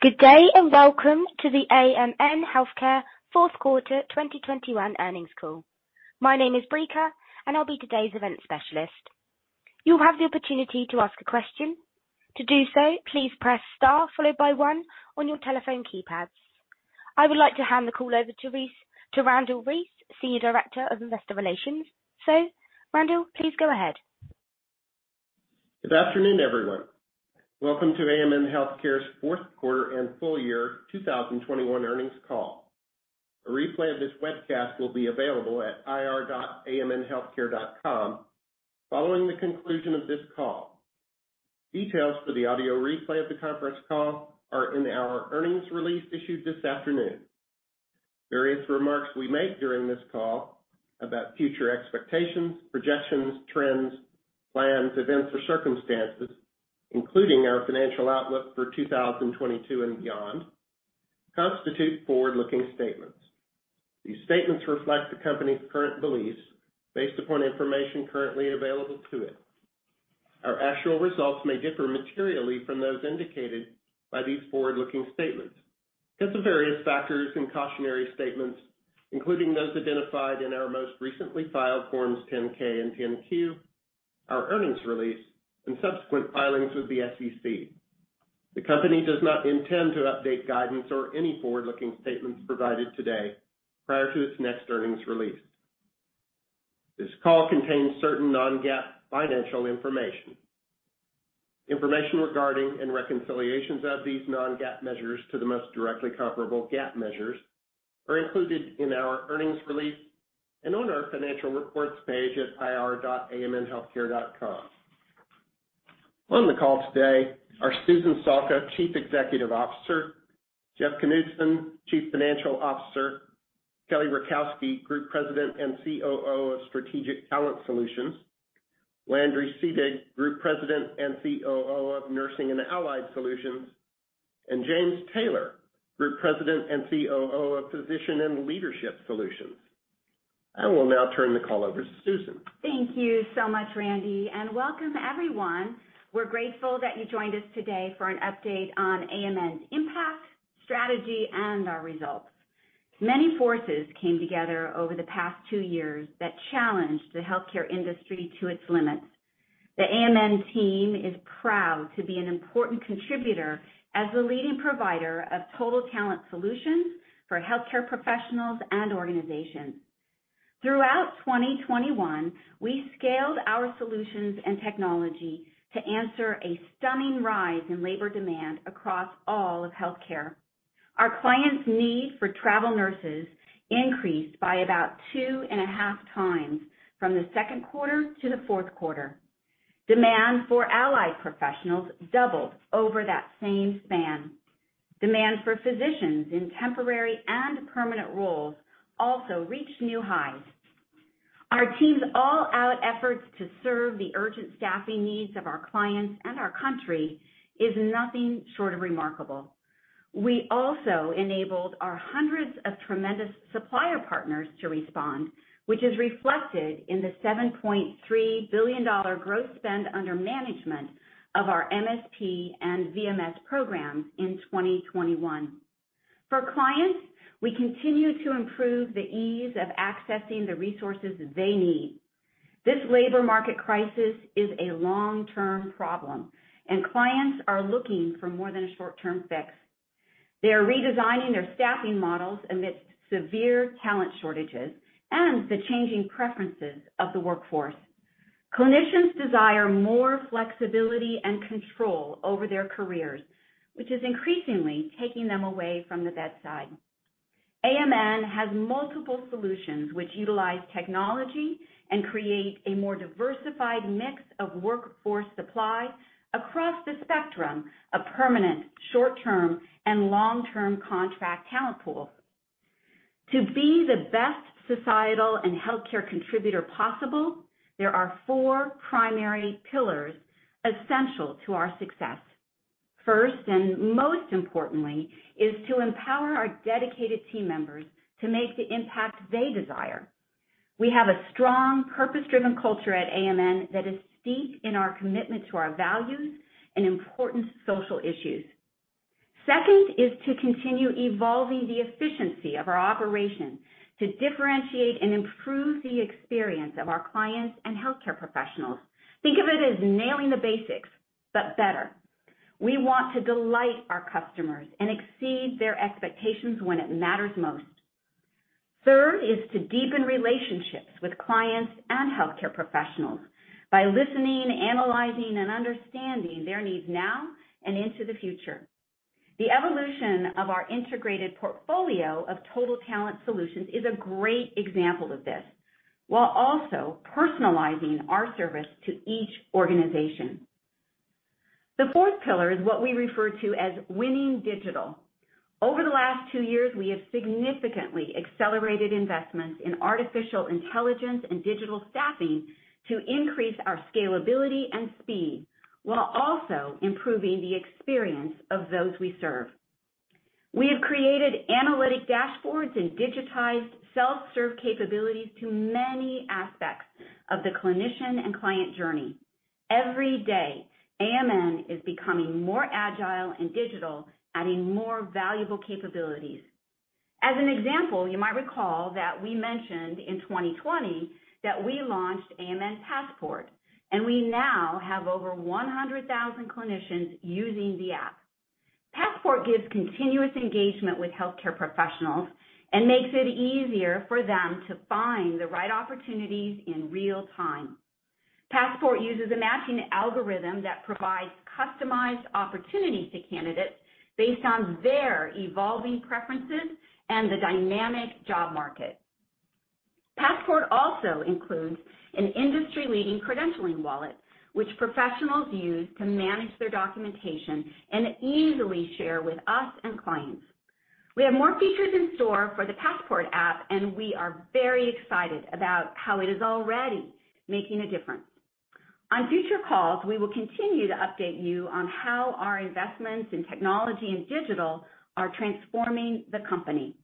Good day, and welcome to the AMN Healthcare Fourth Quarter 2021 Earnings Call. My name is Brika, and I'll be today's event specialist. You'll have the opportunity to ask a question. To do so, please press Star followed by one on your telephone keypads. I would like to hand the call over to Randle Reece, Senior Director of Investor Relations. Randle, please go ahead. Good afternoon, everyone. Welcome to AMN Healthcare's fourth quarter and full year 2021 earnings call. A replay of this webcast will be available at ir.amnhealthcare.com following the conclusion of this call. Details for the audio replay of the conference call are in our earnings release issued this afternoon. Various remarks we make during this call about future expectations, projections, trends, plans, events or circumstances, including our financial outlook for 2022 and beyond, constitute forward-looking statements. These statements reflect the company's current beliefs based upon information currently available to it. Our actual results may differ materially from those indicated by these forward-looking statements because of various factors and cautionary statements, including those identified in our most recently filed forms 10-K and 10-Q, our earnings release and subsequent filings with the SEC. The company does not intend to update guidance or any forward-looking statements provided today prior to its next earnings release. This call contains certain non-GAAP financial information. Information regarding and reconciliations of these non-GAAP measures to the most directly comparable GAAP measures are included in our earnings release and on our financial reports page at ir.amnhealthcare.com. On the call today are Susan Salka, Chief Executive Officer, Jeff Knudson, Chief Financial Officer, Kelly Rakowski, Group President and COO of Strategic Talent Solutions, Landry Seedig, Group President and COO of Nurse and Allied Solutions, and James Taylor, Group President and COO of Physician and Leadership Solutions. I will now turn the call over to Susan. Thank you so much, Randy, and welcome everyone. We're grateful that you joined us today for an update on AMN's impact, strategy, and our results. Many forces came together over the past two years that challenged the healthcare industry to its limits. The AMN team is proud to be an important contributor as the leading provider of total talent solutions for healthcare professionals and organizations. Throughout 2021, we scaled our solutions and technology to answer a stunning rise in labor demand across all of healthcare. Our clients' need for travel nurses increased by about 2.5x from the second quarter to the fourth quarter. Demand for allied professionals doubled over that same span. Demand for physicians in temporary and permanent roles also reached new highs. Our team's all-out efforts to serve the urgent staffing needs of our clients and our country is nothing short of remarkable. We also enabled our hundreds of tremendous supplier partners to respond, which is reflected in the $7.3 billion growth spend under management of our MSP and VMS programs in 2021. For clients, we continue to improve the ease of accessing the resources they need. This labor market crisis is a long-term problem, and clients are looking for more than a short-term fix. They are redesigning their staffing models amidst severe talent shortages and the changing preferences of the workforce. Clinicians desire more flexibility and control over their careers, which is increasingly taking them away from the bedside. AMN has multiple solutions which utilize technology and create a more diversified mix of workforce supply across the spectrum of permanent, short-term, and long-term contract talent pools. To be the best societal and healthcare contributor possible, there are four primary pillars essential to our success. First, and most importantly, is to empower our dedicated team members to make the impact they desire. We have a strong, purpose-driven culture at AMN that is steeped in our commitment to our values and important social issues. Second is to continue evolving the efficiency of our operations to differentiate and improve the experience of our clients and healthcare professionals. Think of it as nailing the basics, but better. We want to delight our customers and exceed their expectations when it matters most. Third is to deepen relationships with clients and healthcare professionals by listening, analyzing, and understanding their needs now and into the future. The evolution of our integrated portfolio of total talent solutions is a great example of this, while also personalizing our service to each organization. The fourth pillar is what we refer to as winning digital. Over the last two years, we have significantly accelerated investments in artificial intelligence and digital staffing to increase our scalability and speed while also improving the experience of those we serve. We have created analytic dashboards and digitized self-serve capabilities to many aspects of the clinician and client journey. Every day, AMN is becoming more agile and digital, adding more valuable capabilities. As an example, you might recall that we mentioned in 2020 that we launched AMN Passport, and we now have over 100,000 clinicians using the app. Passport gives continuous engagement with healthcare professionals and makes it easier for them to find the right opportunities in real time. Passport uses a matching algorithm that provides customized opportunities to candidates based on their evolving preferences and the dynamic job market. Passport also includes an industry-leading credentialing wallet, which professionals use to manage their documentation and easily share with us and clients. We have more features in store for the Passport app, and we are very excited about how it is already making a difference. On future calls, we will continue to update you on how our investments in technology and digital are transforming the company.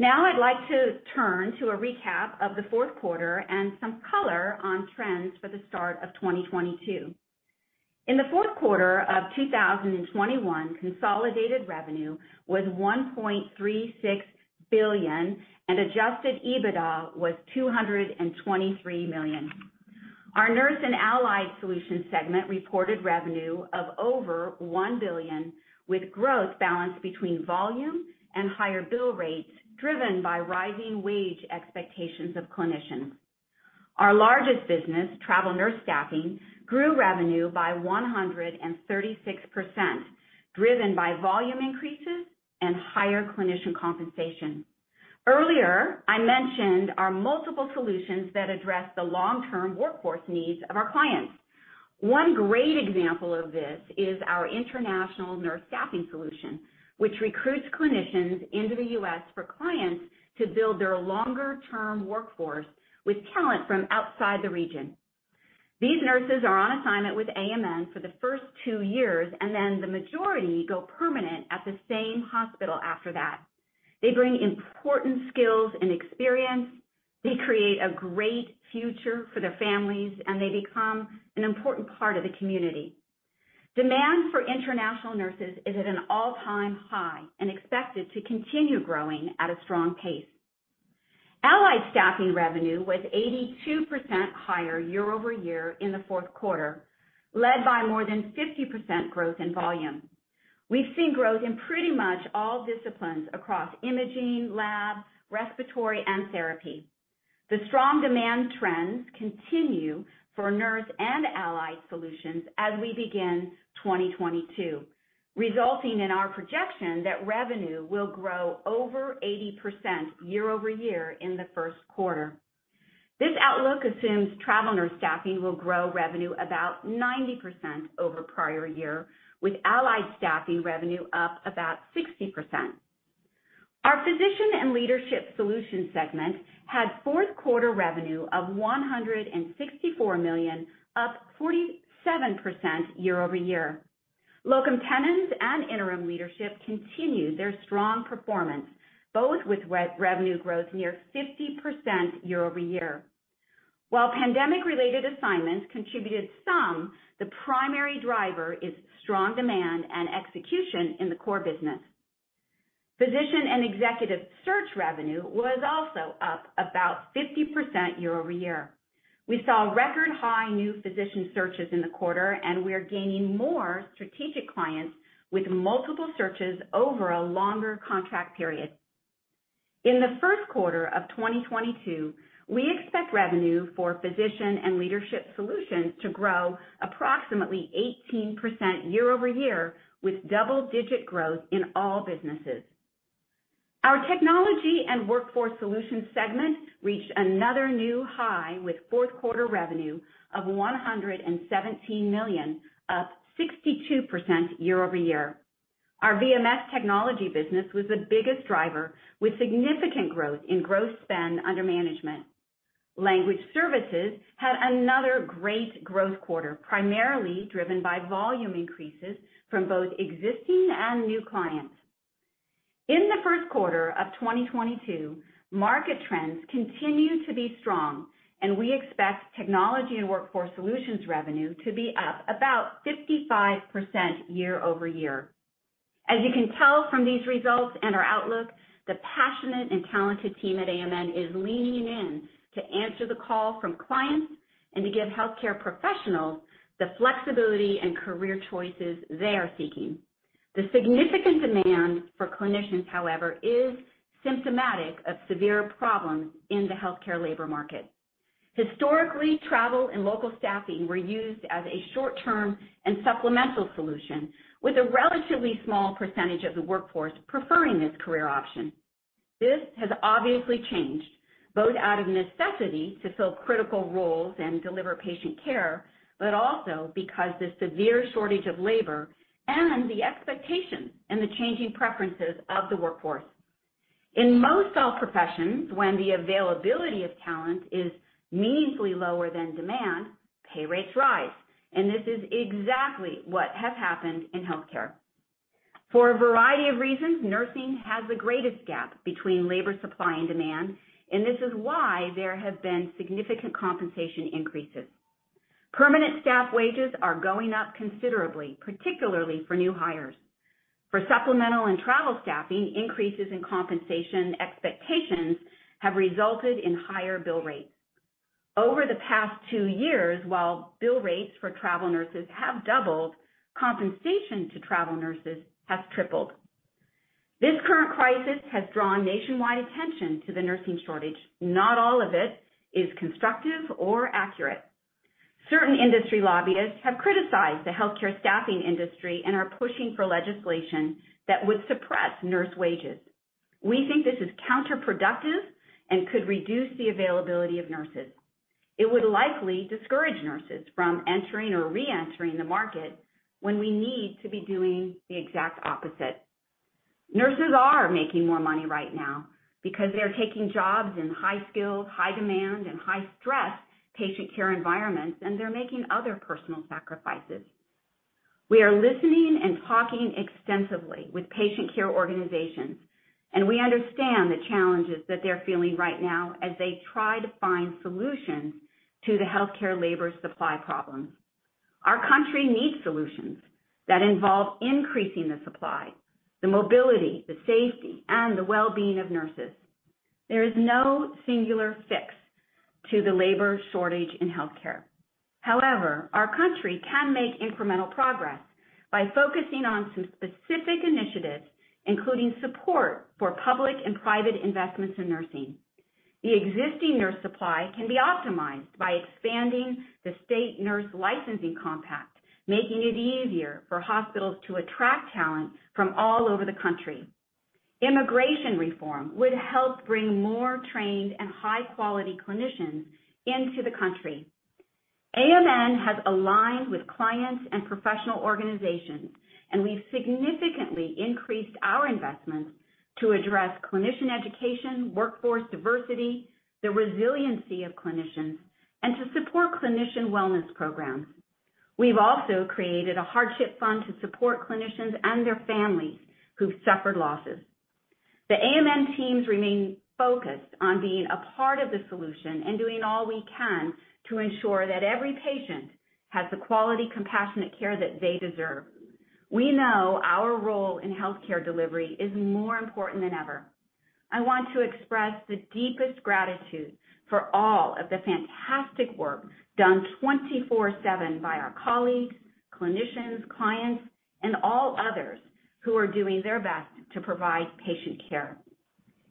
Now I'd like to turn to a recap of the fourth quarter and some color on trends for the start of 2022. In the fourth quarter of 2021, consolidated revenue was $1.36 billion, and adjusted EBITDA was $223 million. Our Nurse and Allied Solutions segment reported revenue of over $1 billion, with growth balanced between volume and higher bill rates, driven by rising wage expectations of clinicians. Our largest business, Travel Nurse Staffing, grew revenue by 136%, driven by volume increases and higher clinician compensation. Earlier, I mentioned our multiple solutions that address the long-term workforce needs of our clients. One great example of this is our international nurse staffing solution, which recruits clinicians into the U.S. for clients to build their longer-term workforce with talent from outside the region. These nurses are on assignment with AMN for the first two years, and then the majority go permanent at the same hospital after that. They bring important skills and experience, they create a great future for their families, and they become an important part of the community. Demand for international nurses is at an all-time high and expected to continue growing at a strong pace. Allied staffing revenue was 82% higher year-over-year in the fourth quarter, led by more than 50% growth in volume. We've seen growth in pretty much all disciplines across imaging, lab, respiratory, and therapy. The strong demand trends continue for Nurse and Allied Solutions as we begin 2022, resulting in our projection that revenue will grow over 80% year-over-year in the first quarter. This outlook assumes Travel Nurse Staffing will grow revenue about 90% over prior year, with allied staffing revenue up about 60%. Our Physician and Leadership Solutions segment had fourth quarter revenue of $164 million, up 47% year-over-year. Locum tenens and interim leadership continued their strong performance, both with revenue growth near 50% year-over-year. While pandemic-related assignments contributed some, the primary driver is strong demand and execution in the core business. Physician and executive search revenue was also up about 50% year-ove-year. We saw record high new physician searches in the quarter, and we are gaining more strategic clients with multiple searches over a longer contract period. In the first quarter of 2022, we expect revenue for Physician and Leadership Solutions to grow approximately 18% year-over-year, with double-digit growth in all businesses. Our Technology and Workforce Solutions segment reached another new high with fourth-quarter revenue of $117 million, up 62% year-over-year. Our VMS technology business was the biggest driver, with significant growth in gross spend under management. Language services had another great growth quarter, primarily driven by volume increases from both existing and new clients. In the first quarter of 2022, market trends continue to be strong, and we expect Technology and Workforce Solutions revenue to be up about 55% year-over-year. As you can tell from these results and our outlook, the passionate and talented team at AMN is leaning in to answer the call from clients and to give healthcare professionals the flexibility and career choices they are seeking. The significant demand for clinicians, however, is symptomatic of severe problems in the healthcare labor market. Historically, travel and local staffing were used as a short-term and supplemental solution, with a relatively small percentage of the workforce preferring this career option. This has obviously changed, both out of necessity to fill critical roles and deliver patient care, but also because the severe shortage of labor and the expectations and the changing preferences of the workforce. In most all professions, when the availability of talent is meaningfully lower than demand, pay rates rise, and this is exactly what has happened in healthcare. For a variety of reasons, nursing has the greatest gap between labor supply and demand, and this is why there have been significant compensation increases. Permanent staff wages are going up considerably, particularly for new hires. For supplemental and travel staffing, increases in compensation expectations have resulted in higher bill rates. Over the past two years, while bill rates for travel nurses have doubled, compensation to travel nurses has tripled. This current crisis has drawn nationwide attention to the nursing shortage. Not all of it is constructive or accurate. Certain industry lobbyists have criticized the healthcare staffing industry and are pushing for legislation that would suppress nurse wages. We think this is counterproductive and could reduce the availability of nurses. It would likely discourage nurses from entering or re-entering the market when we need to be doing the exact opposite. Nurses are making more money right now because they're taking jobs in high-skill, high-demand, and high-stress patient care environments, and they're making other personal sacrifices. We are listening and talking extensively with patient care organizations, and we understand the challenges that they're feeling right now as they try to find solutions to the healthcare labor supply problems. Our country needs solutions that involve increasing the supply, the mobility, the safety, and the well-being of nurses. There is no singular fix to the labor shortage in healthcare. However, our country can make incremental progress by focusing on some specific initiatives, including support for public and private investments in nursing. The existing nurse supply can be optimized by expanding the state nurse licensing compact, making it easier for hospitals to attract talent from all over the country. Immigration reform would help bring more trained and high-quality clinicians into the country. AMN has aligned with clients and professional organizations, and we've significantly increased our investments to address clinician education, workforce diversity, the resiliency of clinicians, and to support clinician wellness programs. We've also created a hardship fund to support clinicians and their families who've suffered losses. The AMN teams remain focused on being a part of the solution and doing all we can to ensure that every patient has the quality, compassionate care that they deserve. We know our role in healthcare delivery is more important than ever. I want to express the deepest gratitude for all of the fantastic work done 24/7 by our colleagues, clinicians, clients, and all others who are doing their best to provide patient care.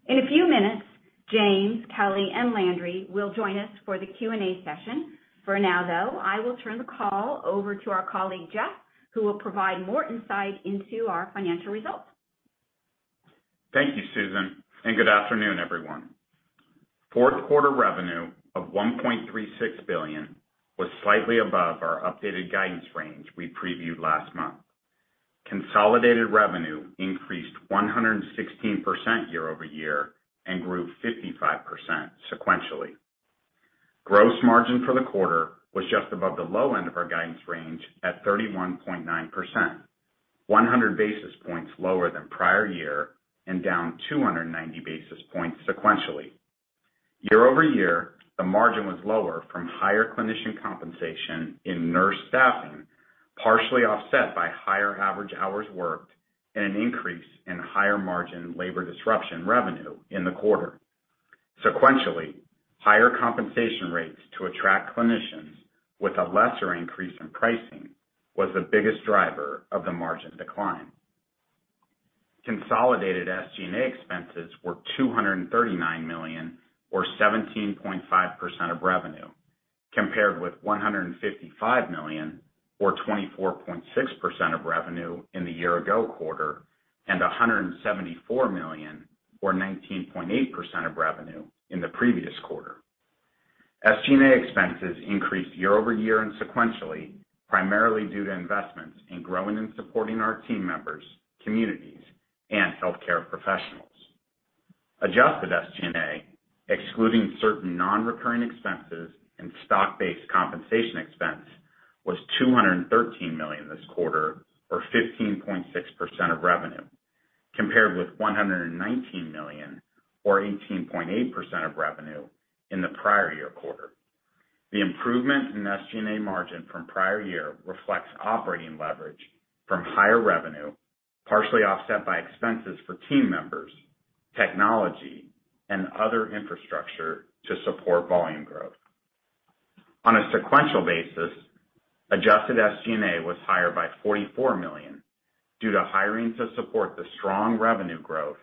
In a few minutes, James, Kelly, and Landry will join us for the Q&A session. For now, though, I will turn the call over to our colleague, Jeff, who will provide more insight into our financial results. Thank you, Susan, and good afternoon, everyone. Fourth quarter revenue of $1.36 billion was slightly above our updated guidance range we previewed last month. Consolidated revenue increased 116% year-over-year and grew 55% sequentially. Gross margin for the quarter was just above the low end of our guidance range at 31.9%, 100 basis points lower than prior year and down 290 basis points sequentially. Year-over-year, the margin was lower from higher clinician compensation in nurse staffing, partially offset by higher average hours worked and an increase in higher margin labor disruption revenue in the quarter. Sequentially, higher compensation rates to attract clinicians with a lesser increase in pricing was the biggest driver of the margin decline. Consolidated SG&A expenses were $239 million or 17.5% of revenue, compared with $155 million or 24.6% of revenue in the year ago quarter, and $174 million or 19.8% of revenue in the previous quarter. SG&A expenses increased year-over-year and sequentially, primarily due to investments in growing and supporting our team members, communities, and healthcare professionals. Adjusted SG&A, excluding certain non-recurring expenses and stock-based compensation expense, was $213 million this quarter or 15.6% of revenue, compared with $119 million or 18.8% of revenue in the prior year quarter. The improvement in SG&A margin from prior year reflects operating leverage from higher revenue, partially offset by expenses for team members, technology, and other infrastructure to support volume growth. On a sequential basis, adjusted SG&A was higher by $44 million due to hiring to support the strong revenue growth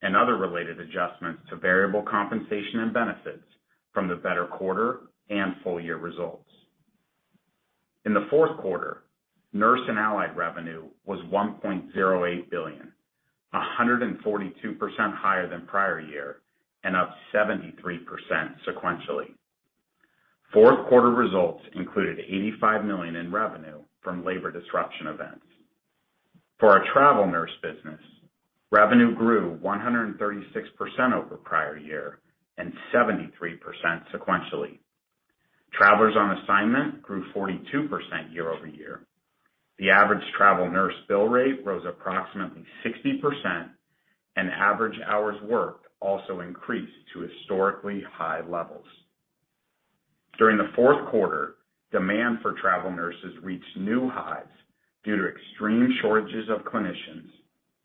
and other related adjustments to variable compensation and benefits from the better quarter and full-year results. In the fourth quarter, Nurse and Allied revenue was $1.08 billion, 142% higher than prior year and up 73% sequentially. Fourth quarter results included $85 million in revenue from labor disruption events. For our travel nurse business, revenue grew 136% over prior year and 73% sequentially. Travelers on assignment grew 42% year-over-year. The average travel nurse bill rate rose approximately 60%, and average hours worked also increased to historically high levels. During the fourth quarter, demand for travel nurses reached new highs due to extreme shortages of clinicians,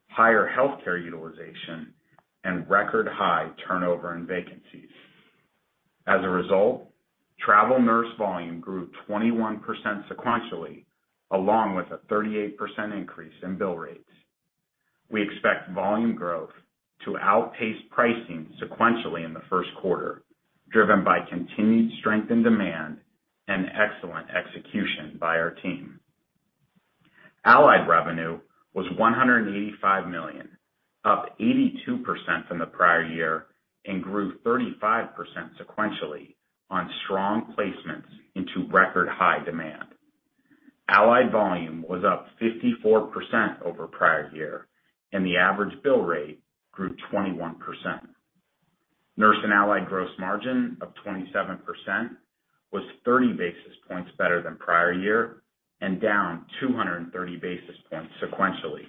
higher healthcare utilization, and record high turnover and vacancies. As a result, travel nurse volume grew 21% sequentially, along with a 38% increase in bill rates. We expect volume growth to outpace pricing sequentially in the first quarter, driven by continued strength in demand and excellent execution by our team. Allied revenue was $185 million, up 82% from the prior year and grew 35% sequentially on strong placements into record high demand. Allied volume was up 54% over prior year, and the average bill rate grew 21%. Nurse and Allied gross margin of 27% was 30 basis points better than prior year and down 230 basis points sequentially.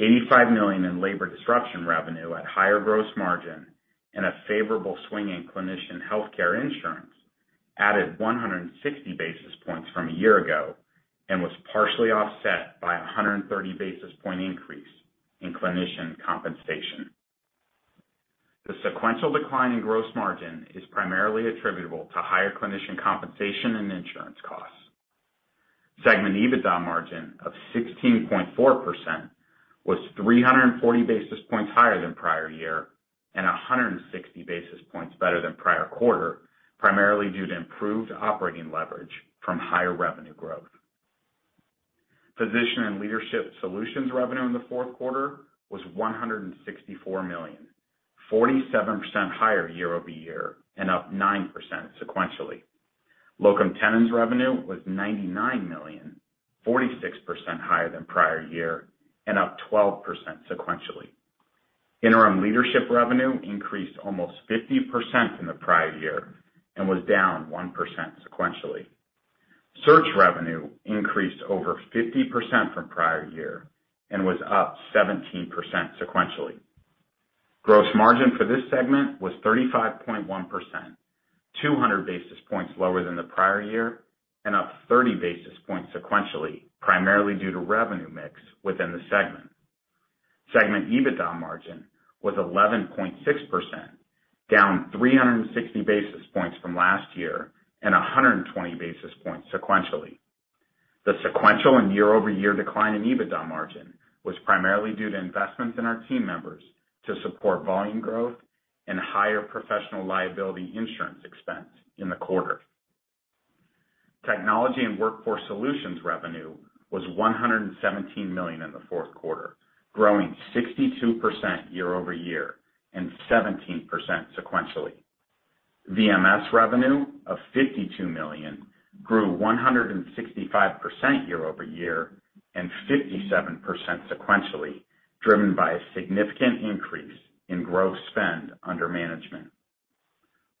$85 million in labor disruption revenue at higher gross margin and a favorable swing in clinician healthcare insurance added 160 basis points from a year ago, and was partially offset by a 130 basis point increase in clinician compensation. The sequential decline in gross margin is primarily attributable to higher clinician compensation and insurance costs. Segment EBITDA margin of 16.4% was 340 basis points higher than prior year and 160 basis points better than prior quarter, primarily due to improved operating leverage from higher revenue growth. Physician and Leadership Solutions revenue in the fourth quarter was $164 million, 47% higher year-over-year and up 9% sequentially. Locum tenens revenue was $99 million, 46% higher than prior year and up 12% sequentially. Interim leadership revenue increased almost 50% from the prior year and was down 1% sequentially. Search revenue increased over 50% from prior year and was up 17% sequentially. Gross margin for this segment was 35.1%, 200 basis points lower than the prior year and up 30 basis points sequentially, primarily due to revenue mix within the segment. Segment EBITDA margin was 11.6%, down 360 basis points from last year and 120 basis points sequentially. The sequential and year-over-year decline in EBITDA margin was primarily due to investments in our team members to support volume growth and higher professional liability insurance expense in the quarter. Technology and Workforce Solutions revenue was $117 million in the fourth quarter, growing 62% year-over-year and 17% sequentially. VMS revenue of $52 million grew 165% year-over-year and 57% sequentially, driven by a significant increase in gross spend under management.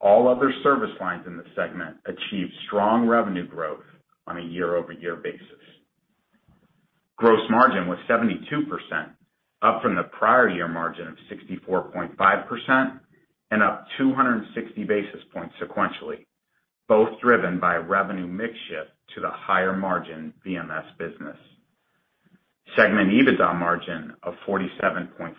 All other service lines in the segment achieved strong revenue growth on a year-over-year basis. Gross margin was 72%, up from the prior year margin of 64.5% and up 260 basis points sequentially, both driven by revenue mix shift to the higher margin VMS business. Segment EBITDA margin of 47.4%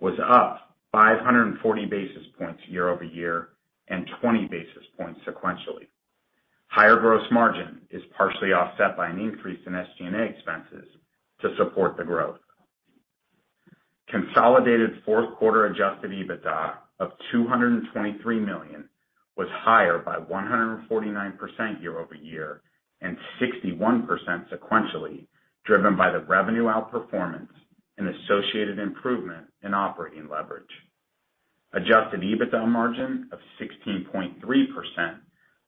was up 540 basis points year-over-year and 20 basis points sequentially. Higher gross margin is partially offset by an increase in SG&A expenses to support the growth. Consolidated fourth quarter adjusted EBITDA of $223 million was higher by 149% year-over-year and 61% sequentially, driven by the revenue outperformance and associated improvement in operating leverage. Adjusted EBITDA margin of 16.3%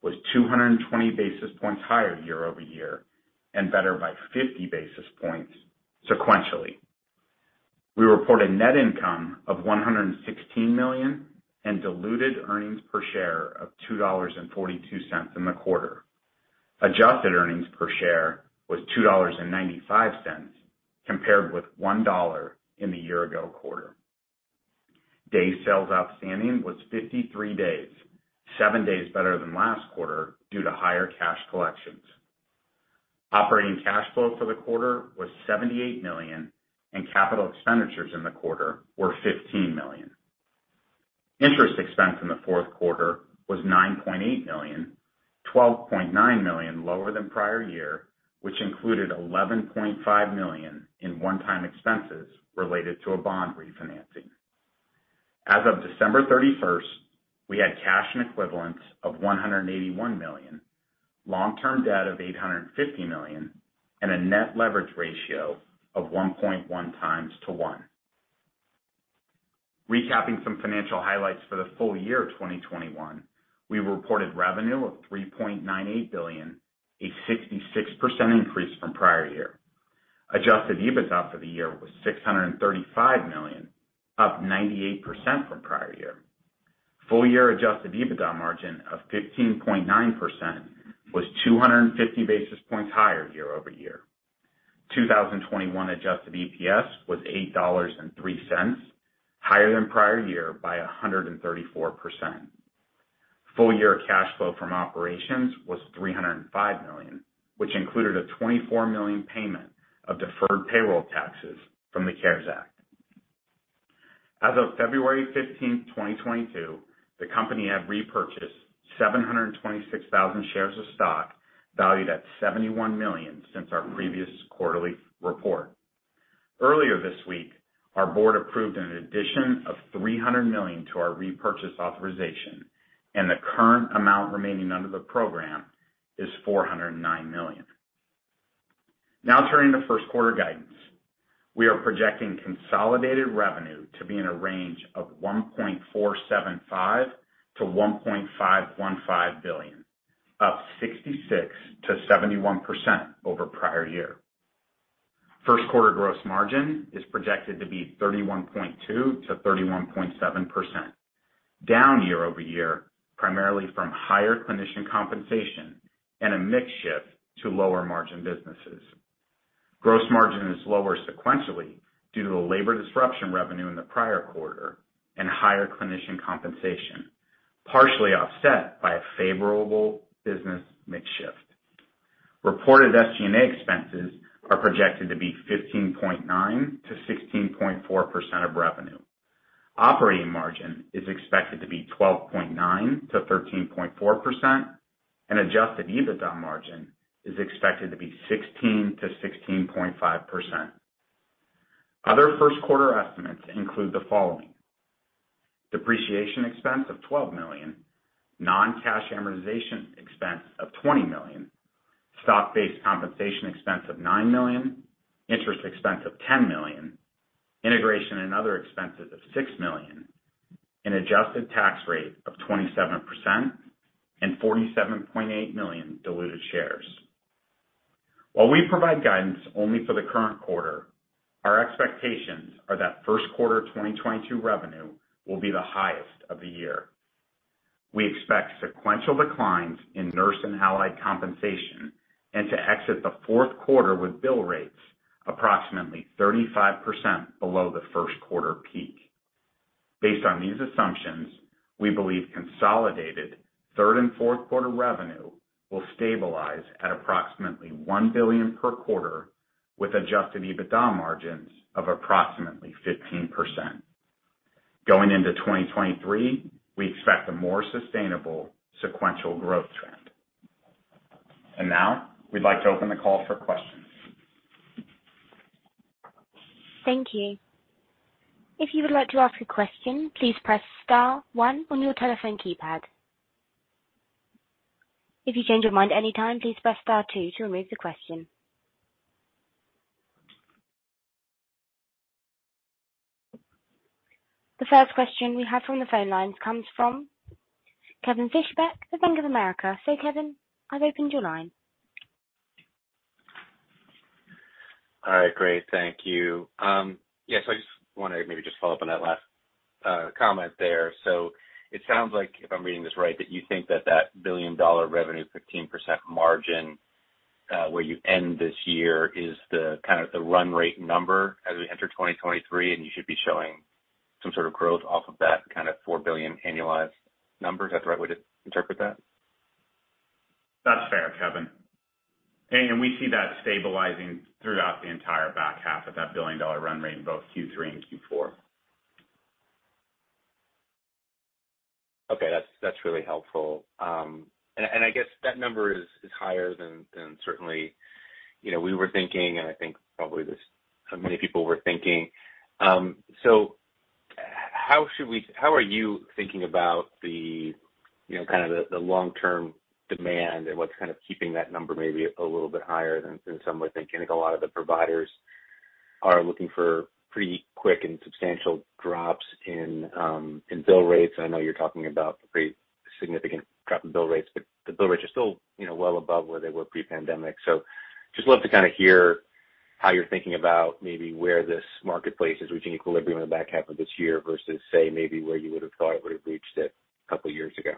was 220 basis points higher year-over-year and better by 50 basis points sequentially. We reported net income of $116 million and diluted earnings per share of $2.42 in the quarter. Adjusted earnings per share was $2.95, compared with $1 in the year ago quarter. Day sales outstanding was 53 days, seven days better than last quarter due to higher cash collections. Operating cash flow for the quarter was $78 million, and capital expenditures in the quarter were $15 million. Interest expense in the fourth quarter was $9.8 million, $12.9 million lower than prior year, which included $11.5 million in one-time expenses related to a bond refinancing. As of December 31st, we had cash and equivalents of $181 million, long-term debt of $850 million, and a net leverage ratio of 1.1x-1x. Recapping some financial highlights for the full year 2021, we reported revenue of $3.98 billion, a 66% increase from prior year. Adjusted EBITDA for the year was $635 million, up 98% from prior year. Full year adjusted EBITDA margin of 15.9% was 250 basis points higher year-over-year. 2021 adjusted EPS was $8.03, higher than prior year by 134%. Full year cash flow from operations was $305 million, which included a $24 million payment of deferred payroll taxes from the CARES Act. As of February 15th, 2022, the company had repurchased 726,000 shares of stock, valued at $71 million since our previous quarterly report. Earlier this week, our board approved an addition of $300 million to our repurchase authorization, and the current amount remaining under the program is $409 million. Now turning to first quarter guidance. We are projecting consolidated revenue to be in a range of $1.475 billion-$1.515 billion, up 66%-71% over prior year. First quarter gross margin is projected to be 31.2%-31.7%, down year-over-year, primarily from higher clinician compensation and a mix shift to lower margin businesses. Gross margin is lower sequentially due to the labor disruption revenue in the prior quarter and higher clinician compensation, partially offset by a favorable business mix shift. Reported SG&A expenses are projected to be 15.9%-16.4% of revenue. Operating margin is expected to be 12.9%-13.4%, and adjusted EBITDA margin is expected to be 16%-16.5%. Other first quarter estimates include the following, depreciation expense of $12 million, non-cash amortization expense of $20 million, stock-based compensation expense of $9 million, interest expense of $10 million, integration and other expenses of $6 million, an adjusted tax rate of 27%, and 47.8 million diluted shares. While we provide guidance only for the current quarter, our expectations are that first quarter 2022 revenue will be the highest of the year. We expect sequential declines in Nurse and Allied compensation and to exit the fourth quarter with bill rates approximately 35% below the first quarter peak. Based on these assumptions, we believe consolidated third and fourth quarter revenue will stabilize at approximately $1 billion per quarter, with adjusted EBITDA margins of approximately 15%. Going into 2023, we expect a more sustainable sequential growth trend. Now we'd like to open the call for questions. The first question we have from the phone lines comes from Kevin Fischbeck, the Bank of America. Kevin, I've opened your line. All right, great. Thank you. Yes, I just wanna maybe just follow up on that last comment there. It sounds like, if I'm reading this right, that you think that $1 billion revenue, 15% margin, where you end this year is the kind of the run rate number as we enter 2023, and you should be showing some sort of growth off of that kind of $4 billion annualized number. Is that the right way to interpret that? That's fair, Kevin. We see that stabilizing throughout the entire back half of that billion-dollar run rate in both Q3 and Q4. Okay, that's really helpful. I guess that number is higher than certainly, you know, we were thinking, and I think probably this many people were thinking. How are you thinking about the, you know, kind of the long-term demand and what's kind of keeping that number maybe a little bit higher than some were thinking? I think a lot of the providers are looking for pretty quick and substantial drops in bill rates. I know you're talking about a pretty significant drop in bill rates, but the bill rates are still, you know, well above where they were pre-pandemic. I'd just love to kinda hear how you're thinking about maybe where this marketplace is reaching equilibrium in the back half of this year versus, say, maybe where you would have thought it would have reached it a couple years ago?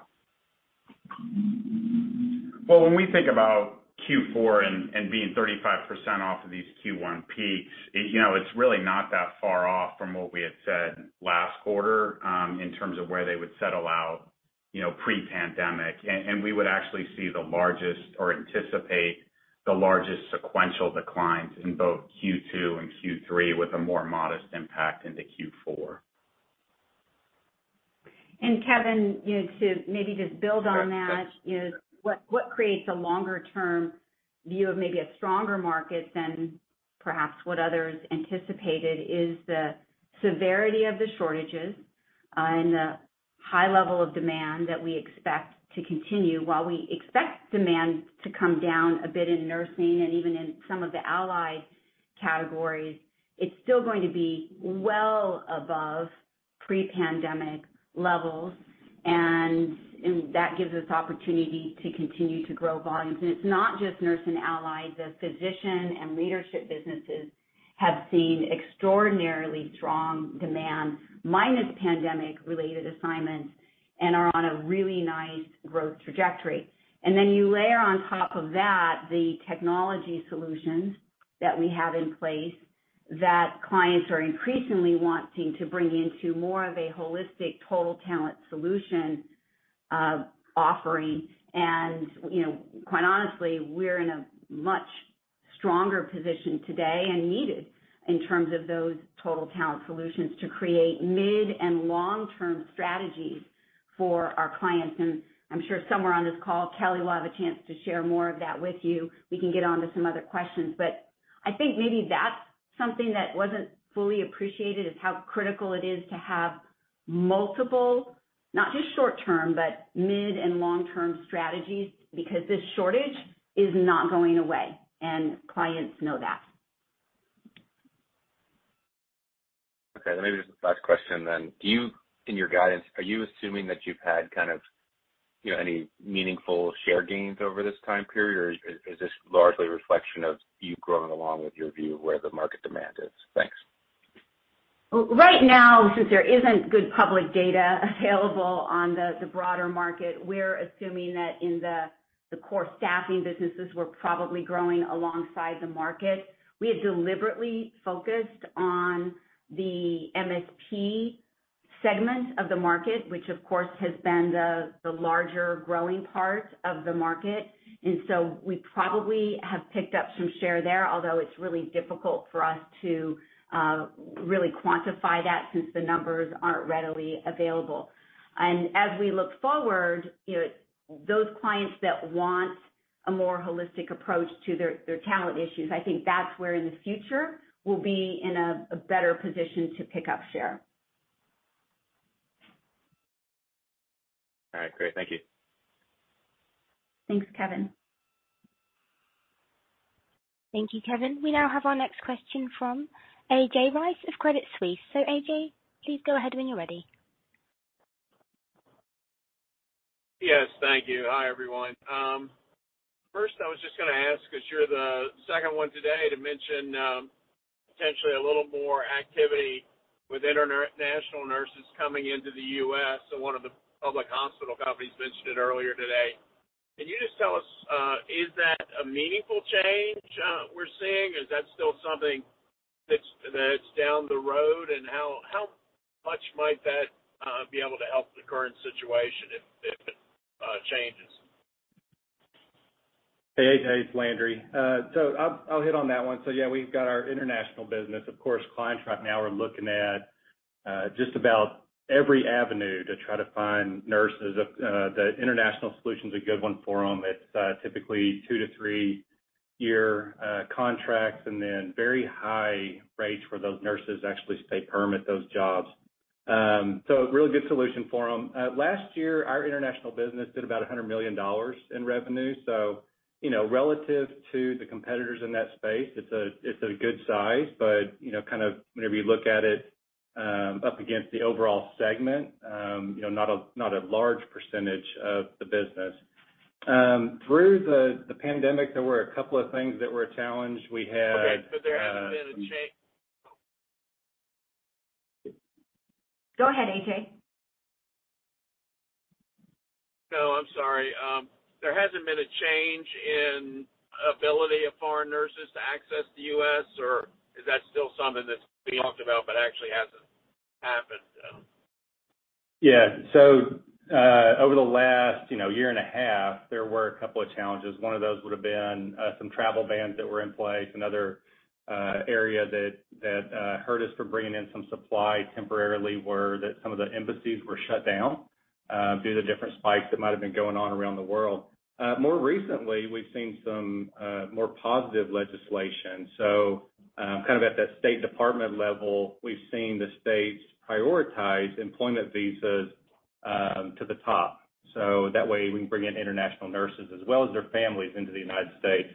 Well, when we think about Q4 and being 35% off of these Q1 peaks, you know, it's really not that far off from what we had said last quarter in terms of where they would settle out, you know, pre-pandemic. We would actually see the largest or anticipate the largest sequential declines in both Q2 and Q3 with a more modest impact into Q4. Kevin, you know, to maybe just build on that is what creates a longer term view of maybe a stronger market than perhaps what others anticipated is the severity of the shortages. The high level of demand that we expect to continue. While we expect demand to come down a bit in nursing and even in some of the allied categories, it's still going to be well above pre-pandemic levels. That gives us opportunity to continue to grow volumes. It's not just Nurse and Allied, the Physician and Leadership businesses have seen extraordinarily strong demand minus pandemic related assignments and are on a really nice growth trajectory. Then you layer on top of that the technology solutions that we have in place that clients are increasingly wanting to bring into more of a holistic total talent solution, offering. You know, quite honestly, we're in a much stronger position today and needed in terms of those total talent solutions to create mid and long-term strategies for our clients. I'm sure somewhere on this call, Kelly will have a chance to share more of that with you. We can get on to some other questions, but I think maybe that's something that wasn't fully appreciated, is how critical it is to have multiple, not just short-term, but mid and long-term strategies, because this shortage is not going away, and clients know that. Okay, then maybe just last question then. Do you, in your guidance, are you assuming that you've had kind of, you know, any meaningful share gains over this time period? Or is this largely a reflection of you growing along with your view of where the market demand is? Thanks. Right now, since there isn't good public data available on the broader market, we're assuming that in the core staffing businesses, we're probably growing alongside the market. We have deliberately focused on the MSP segment of the market, which of course, has been the larger growing part of the market. We probably have picked up some share there, although it's really difficult for us to really quantify that since the numbers aren't readily available. As we look forward, you know, those clients that want a more holistic approach to their talent issues, I think that's where in the future we'll be in a better position to pick up share. All right, great. Thank you. Thanks, Kevin. Thank you, Kevin. We now have our next question from A.J. Rice of Credit Suisse. A.J., please go ahead when you're ready. Yes, thank you. Hi, everyone. First, I was just gonna ask, 'cause you're the second one today to mention potentially a little more activity with international nurses coming into the U.S. than one of the public hospital companies mentioned earlier today. Can you just tell us is that a meaningful change we're seeing, or is that still something that's down the road? How much might that be able to help the current situation if it changes? Hey, A.J., it's Landry. I'll hit on that one. Yeah, we've got our international business. Of course, clients right now are looking at just about every avenue to try to find nurses. The international solution's a good one for them. It's typically two to three-year contracts, and then very high rates for those nurses to actually stay perm at those jobs. So a really good solution for them. Last year, our international business did about $100 million in revenue. You know, relative to the competitors in that space, it's a good size, but you know, kind of whenever you look at it up against the overall segment, you know, not a large percentage of the business. Through the pandemic, there were a couple of things that were a challenge. We had Okay. There hasn't been a change. Go ahead, A.J. No, I'm sorry. There hasn't been a change in ability of foreign nurses to access the U.S., or is that still something that's being talked about but actually hasn't happened yet? Yeah. Over the last, you know, year and a half, there were a couple of challenges. One of those would have been some travel bans that were in place. Another area that hurt us from bringing in some supply temporarily were that some of the embassies were shut down due to different spikes that might have been going on around the world. More recently, we've seen some more positive legislation. Kind of at that State Department level, we've seen the State prioritize employment visas to the top. That way, we can bring in international nurses as well as their families into the United States.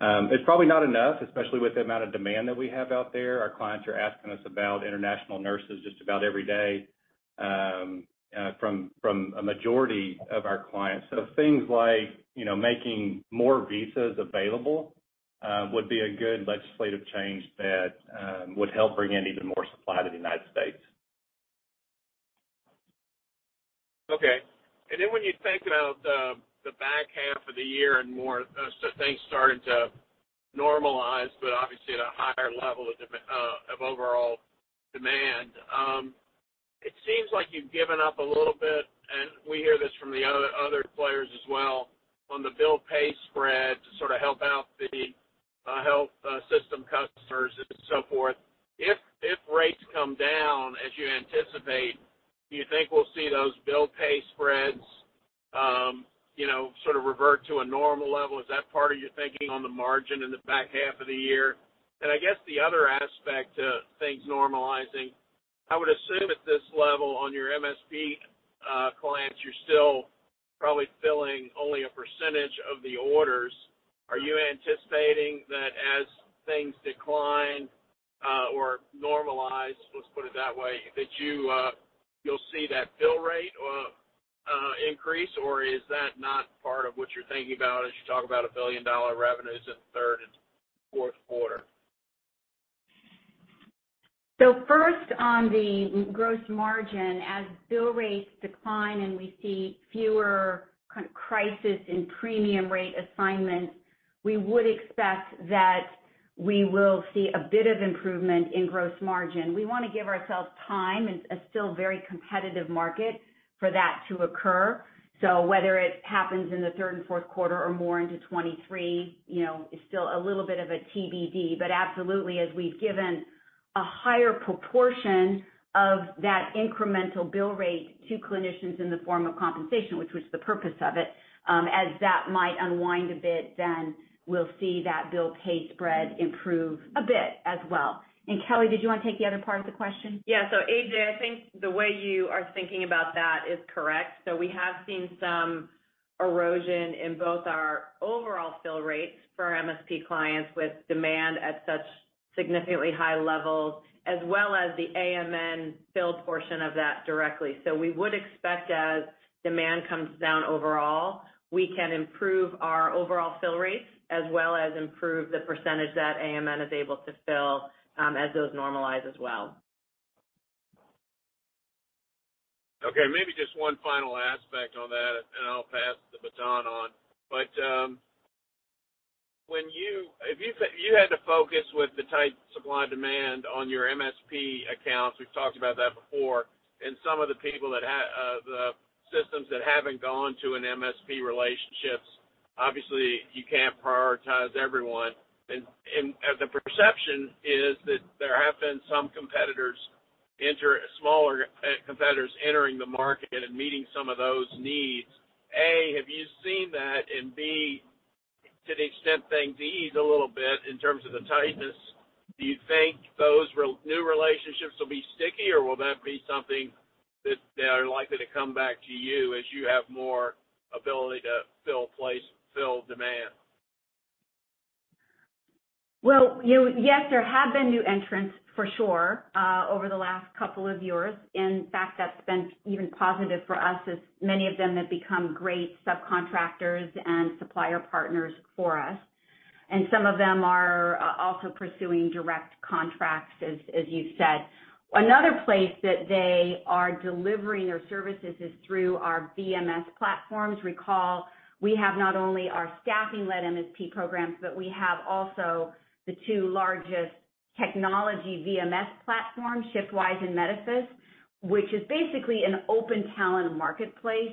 It's probably not enough, especially with the amount of demand that we have out there. Our clients are asking us about international nurses just about every day from a majority of our clients. Things like, you know, making more visas available would be a good legislative change that would help bring in even more supply to the United States. Okay. Then when you think about the back half of the year and more, as things start to normalize, but obviously at a higher level of demand, it seems like you've given up a little bit, and we hear this from the other players as well, on the bill pay spread to sort of help out the health system customers and so forth. If rates come down as you anticipate, do you think we'll see those bill pay spreads. You know, sort of revert to a normal level. Is that part of your thinking on the margin in the back half of the year? I guess the other aspect to things normalizing, I would assume at this level on your MSP clients, you're still probably filling only a percentage of the orders. Are you anticipating that as things decline, or normalize, let's put it that way, that you'll see that bill rate, increase, or is that not part of what you're thinking about as you talk about a billion-dollar revenues in third and fourth quarter? First on the gross margin, as bill rates decline and we see fewer crises in premium rate assignments, we would expect that we will see a bit of improvement in gross margin. We wanna give ourselves time, it's still a very competitive market, for that to occur. Whether it happens in the third and fourth quarter or more into 2023, you know, is still a little bit of a TBD. Absolutely, as we've given a higher proportion of that incremental bill rate to clinicians in the form of compensation, which was the purpose of it, as that might unwind a bit, then we'll see that bill pay spread improve a bit as well. Kelly, did you wanna take the other part of the question? Yeah. A.J., I think the way you are thinking about that is correct. We have seen some erosion in both our overall fill rates for MSP clients with demand at such significantly high levels, as well as the AMN filled portion of that directly. We would expect as demand comes down overall, we can improve our overall fill rates as well as improve the percentage that AMN is able to fill, as those normalize as well. Okay, maybe just one final aspect on that, and then I'll pass the baton on. If you had to focus with the tight supply and demand on your MSP accounts, we've talked about that before, and some of the systems that haven't gone to an MSP relationships, obviously you can't prioritize everyone. The perception is that there have been some smaller competitors entering the market and meeting some of those needs. A, have you seen that? B, to the extent things ease a little bit in terms of the tightness, do you think those new relationships will be sticky, or will that be something that they are likely to come back to you as you have more ability to fill placements, fill demand? Well, you know, yes, there have been new entrants for sure, over the last couple of years. In fact, that's been even positive for us as many of them have become great subcontractors and supplier partners for us. Some of them are also pursuing direct contracts, as you said. Another place that they are delivering their services is through our VMS platforms. Recall, we have not only our staffing-led MSP programs, but we have also the two largest technology VMS platforms, ShiftWise and Medefis, which is basically an open talent marketplace.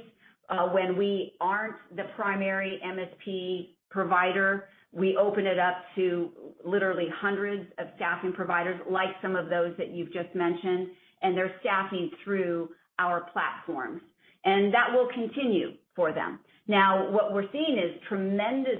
When we aren't the primary MSP provider, we open it up to literally hundreds of staffing providers, like some of those that you've just mentioned, and they're staffing through our platforms. That will continue for them. Now, what we're seeing is tremendous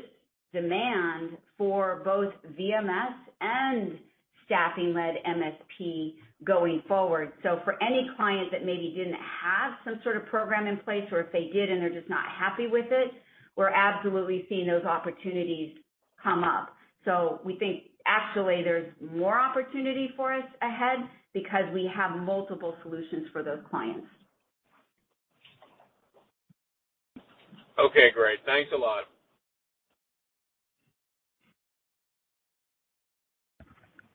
demand for both VMS and staffing-led MSP going forward. For any client that maybe didn't have some sort of program in place, or if they did and they're just not happy with it, we're absolutely seeing those opportunities come up. We think actually there's more opportunity for us ahead because we have multiple solutions for those clients. Okay, great. Thanks a lot.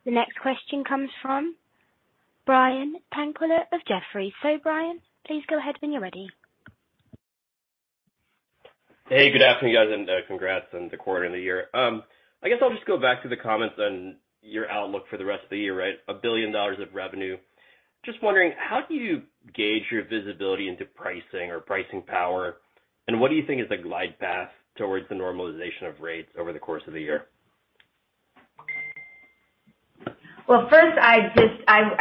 The next question comes from Brian Tanquilut of Jefferies. So Brian, please go ahead when you're ready. Hey, good afternoon, guys, and congrats on the quarter and the year. I guess I'll just go back to the comments on your outlook for the rest of the year, right? $1 billion of revenue. Just wondering, how do you gauge your visibility into pricing or pricing power? What do you think is the glide path towards the normalization of rates over the course of the year? Well, first, I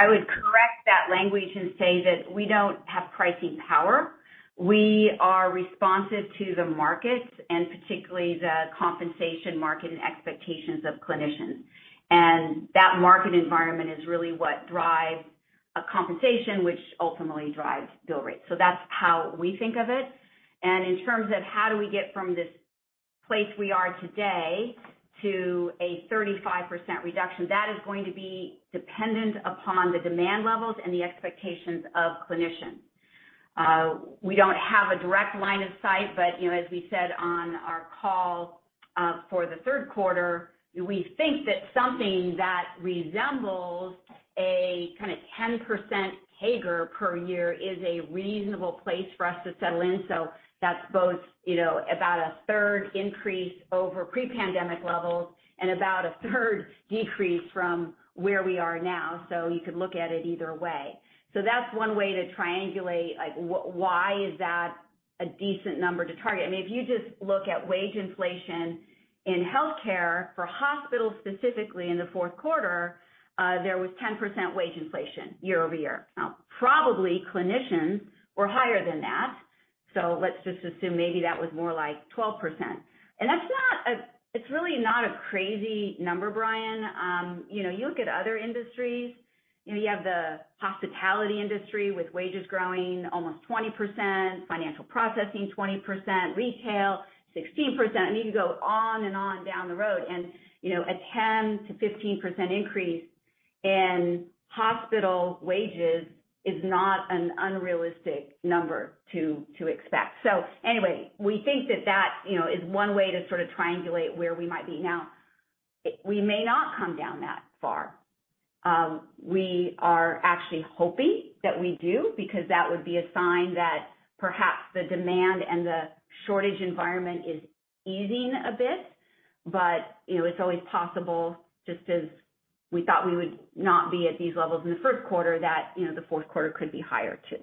would correct that language and say that we don't have pricing power. We are responsive to the market, and particularly the compensation market and expectations of clinicians. That market environment is really what drives compensation, which ultimately drives bill rates. So that's how we think of it. In terms of how we get from this place we are today to a 35% reduction, that is going to be dependent upon the demand levels and the expectations of clinicians. We don't have a direct line of sight, but you know, as we said on our call for the third quarter, we think that something that resembles a kinda 10% CAGR per year is a reasonable place for us to settle in. That's both, you know, about a third increase over pre-pandemic levels and about a third decrease from where we are now. You could look at it either way. That's one way to triangulate, like, why is that a decent number to target? I mean, if you just look at wage inflation in healthcare for hospitals, specifically in the fourth quarter, there was 10% wage inflation year-over-year. Now, probably clinicians were higher than that. Let's just assume maybe that was more like 12%, and that's not a crazy number, Brian. It's really not a crazy number. You know, you look at other industries, you know, you have the hospitality industry with wages growing almost 20%, financial processing, 20%, retail, 16%. I mean, you can go on and on down the road and, you know, a 10%-15% increase in hospital wages is not an unrealistic number to expect. Anyway, we think that, you know, is one way to sort of triangulate where we might be. Now, we may not come down that far. We are actually hoping that we do because that would be a sign that perhaps the demand and the shortage environment is easing a bit. You know, it's always possible, just as we thought we would not be at these levels in the first quarter, that, you know, the fourth quarter could be higher too.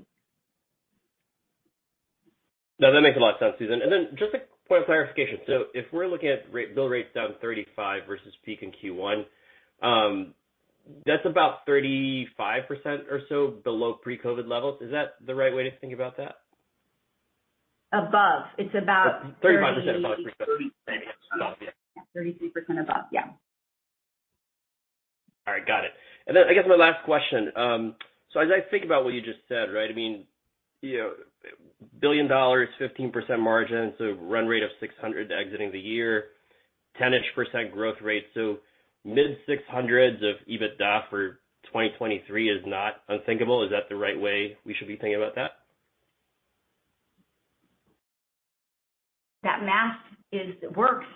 No, that makes a lot of sense, Susan. Just a point of clarification. If we're looking at bill rates down 35 versus peak in Q1, that's about 35% or so below pre-COVID levels. Is that the right way to think about that? It's about 30- 35% above. 33% above, yeah. All right, got it. I guess my last question, so as I think about what you just said, right, I mean, you know, $1 billion, 15% margin, so run rate of $600 million exiting the year, 10-ish% growth rate. Mid-$600s million of EBITDA for 2023 is not unthinkable. Is that the right way we should be thinking about that? That math is. It works.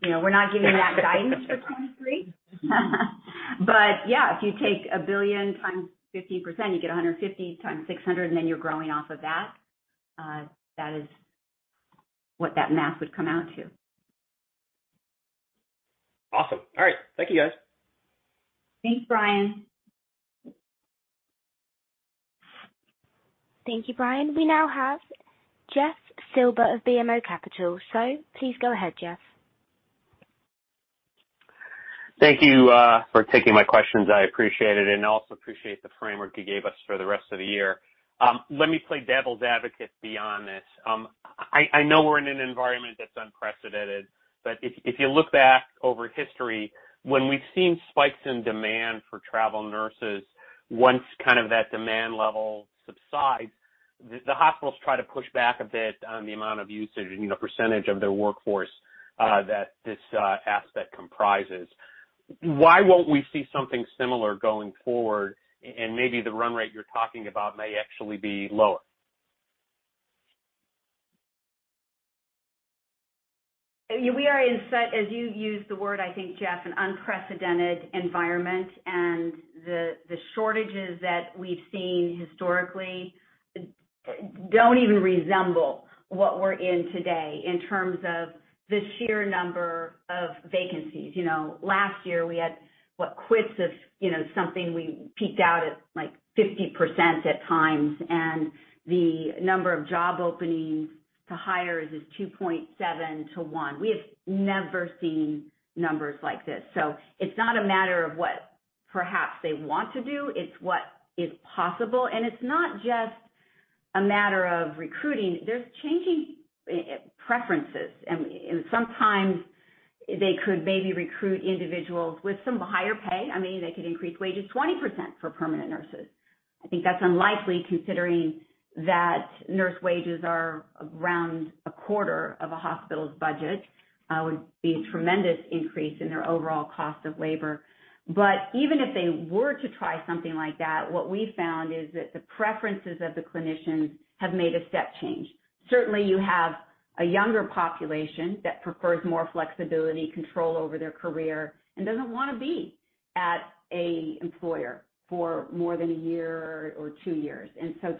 You know, we're not giving that guidance for 2023. Yeah, if you take $1 billion × 15%, you get 150 × 600, and then you're growing off of that. That is what that math would come out to. Awesome. All right. Thank you, guys. Thanks, Brian. Thank you, Brian. We now have Jeff Silber of BMO Capital. Please go ahead, Jeff. Thank you for taking my questions. I appreciate it and also appreciate the framework you gave us for the rest of the year. Let me play devil's advocate beyond this. I know we're in an environment that's unprecedented, but if you look back over history, when we've seen spikes in demand for travel nurses, once kind of that demand level subsides, the hospitals try to push back a bit on the amount of usage and, you know, percentage of their workforce that this aspect comprises. Why won't we see something similar going forward and maybe the run rate you're talking about may actually be lower? We are in such, as you used the word, I think, Jeff, an unprecedented environment, and the shortages that we've seen historically don't even resemble what we're in today in terms of the sheer number of vacancies. You know, last year we had quits of, you know, something we peaked out at, like, 50% at times, and the number of job openings to hires is 2.5-1. We have never seen numbers like this. It's not a matter of what perhaps they want to do, it's what is possible. It's not just a matter of recruiting. There's changing preferences, and sometimes they could maybe recruit individuals with some higher pay. I mean, they could increase wages 20% for permanent nurses. I think that's unlikely, considering that nurse wages are around a quarter of a hospital's budget. Would be a tremendous increase in their overall cost of labor. Even if they were to try something like that, what we found is that the preferences of the clinicians have made a step change. Certainly, you have a younger population that prefers more flexibility, control over their career, and doesn't wanna be at an employer for more than a year or two years.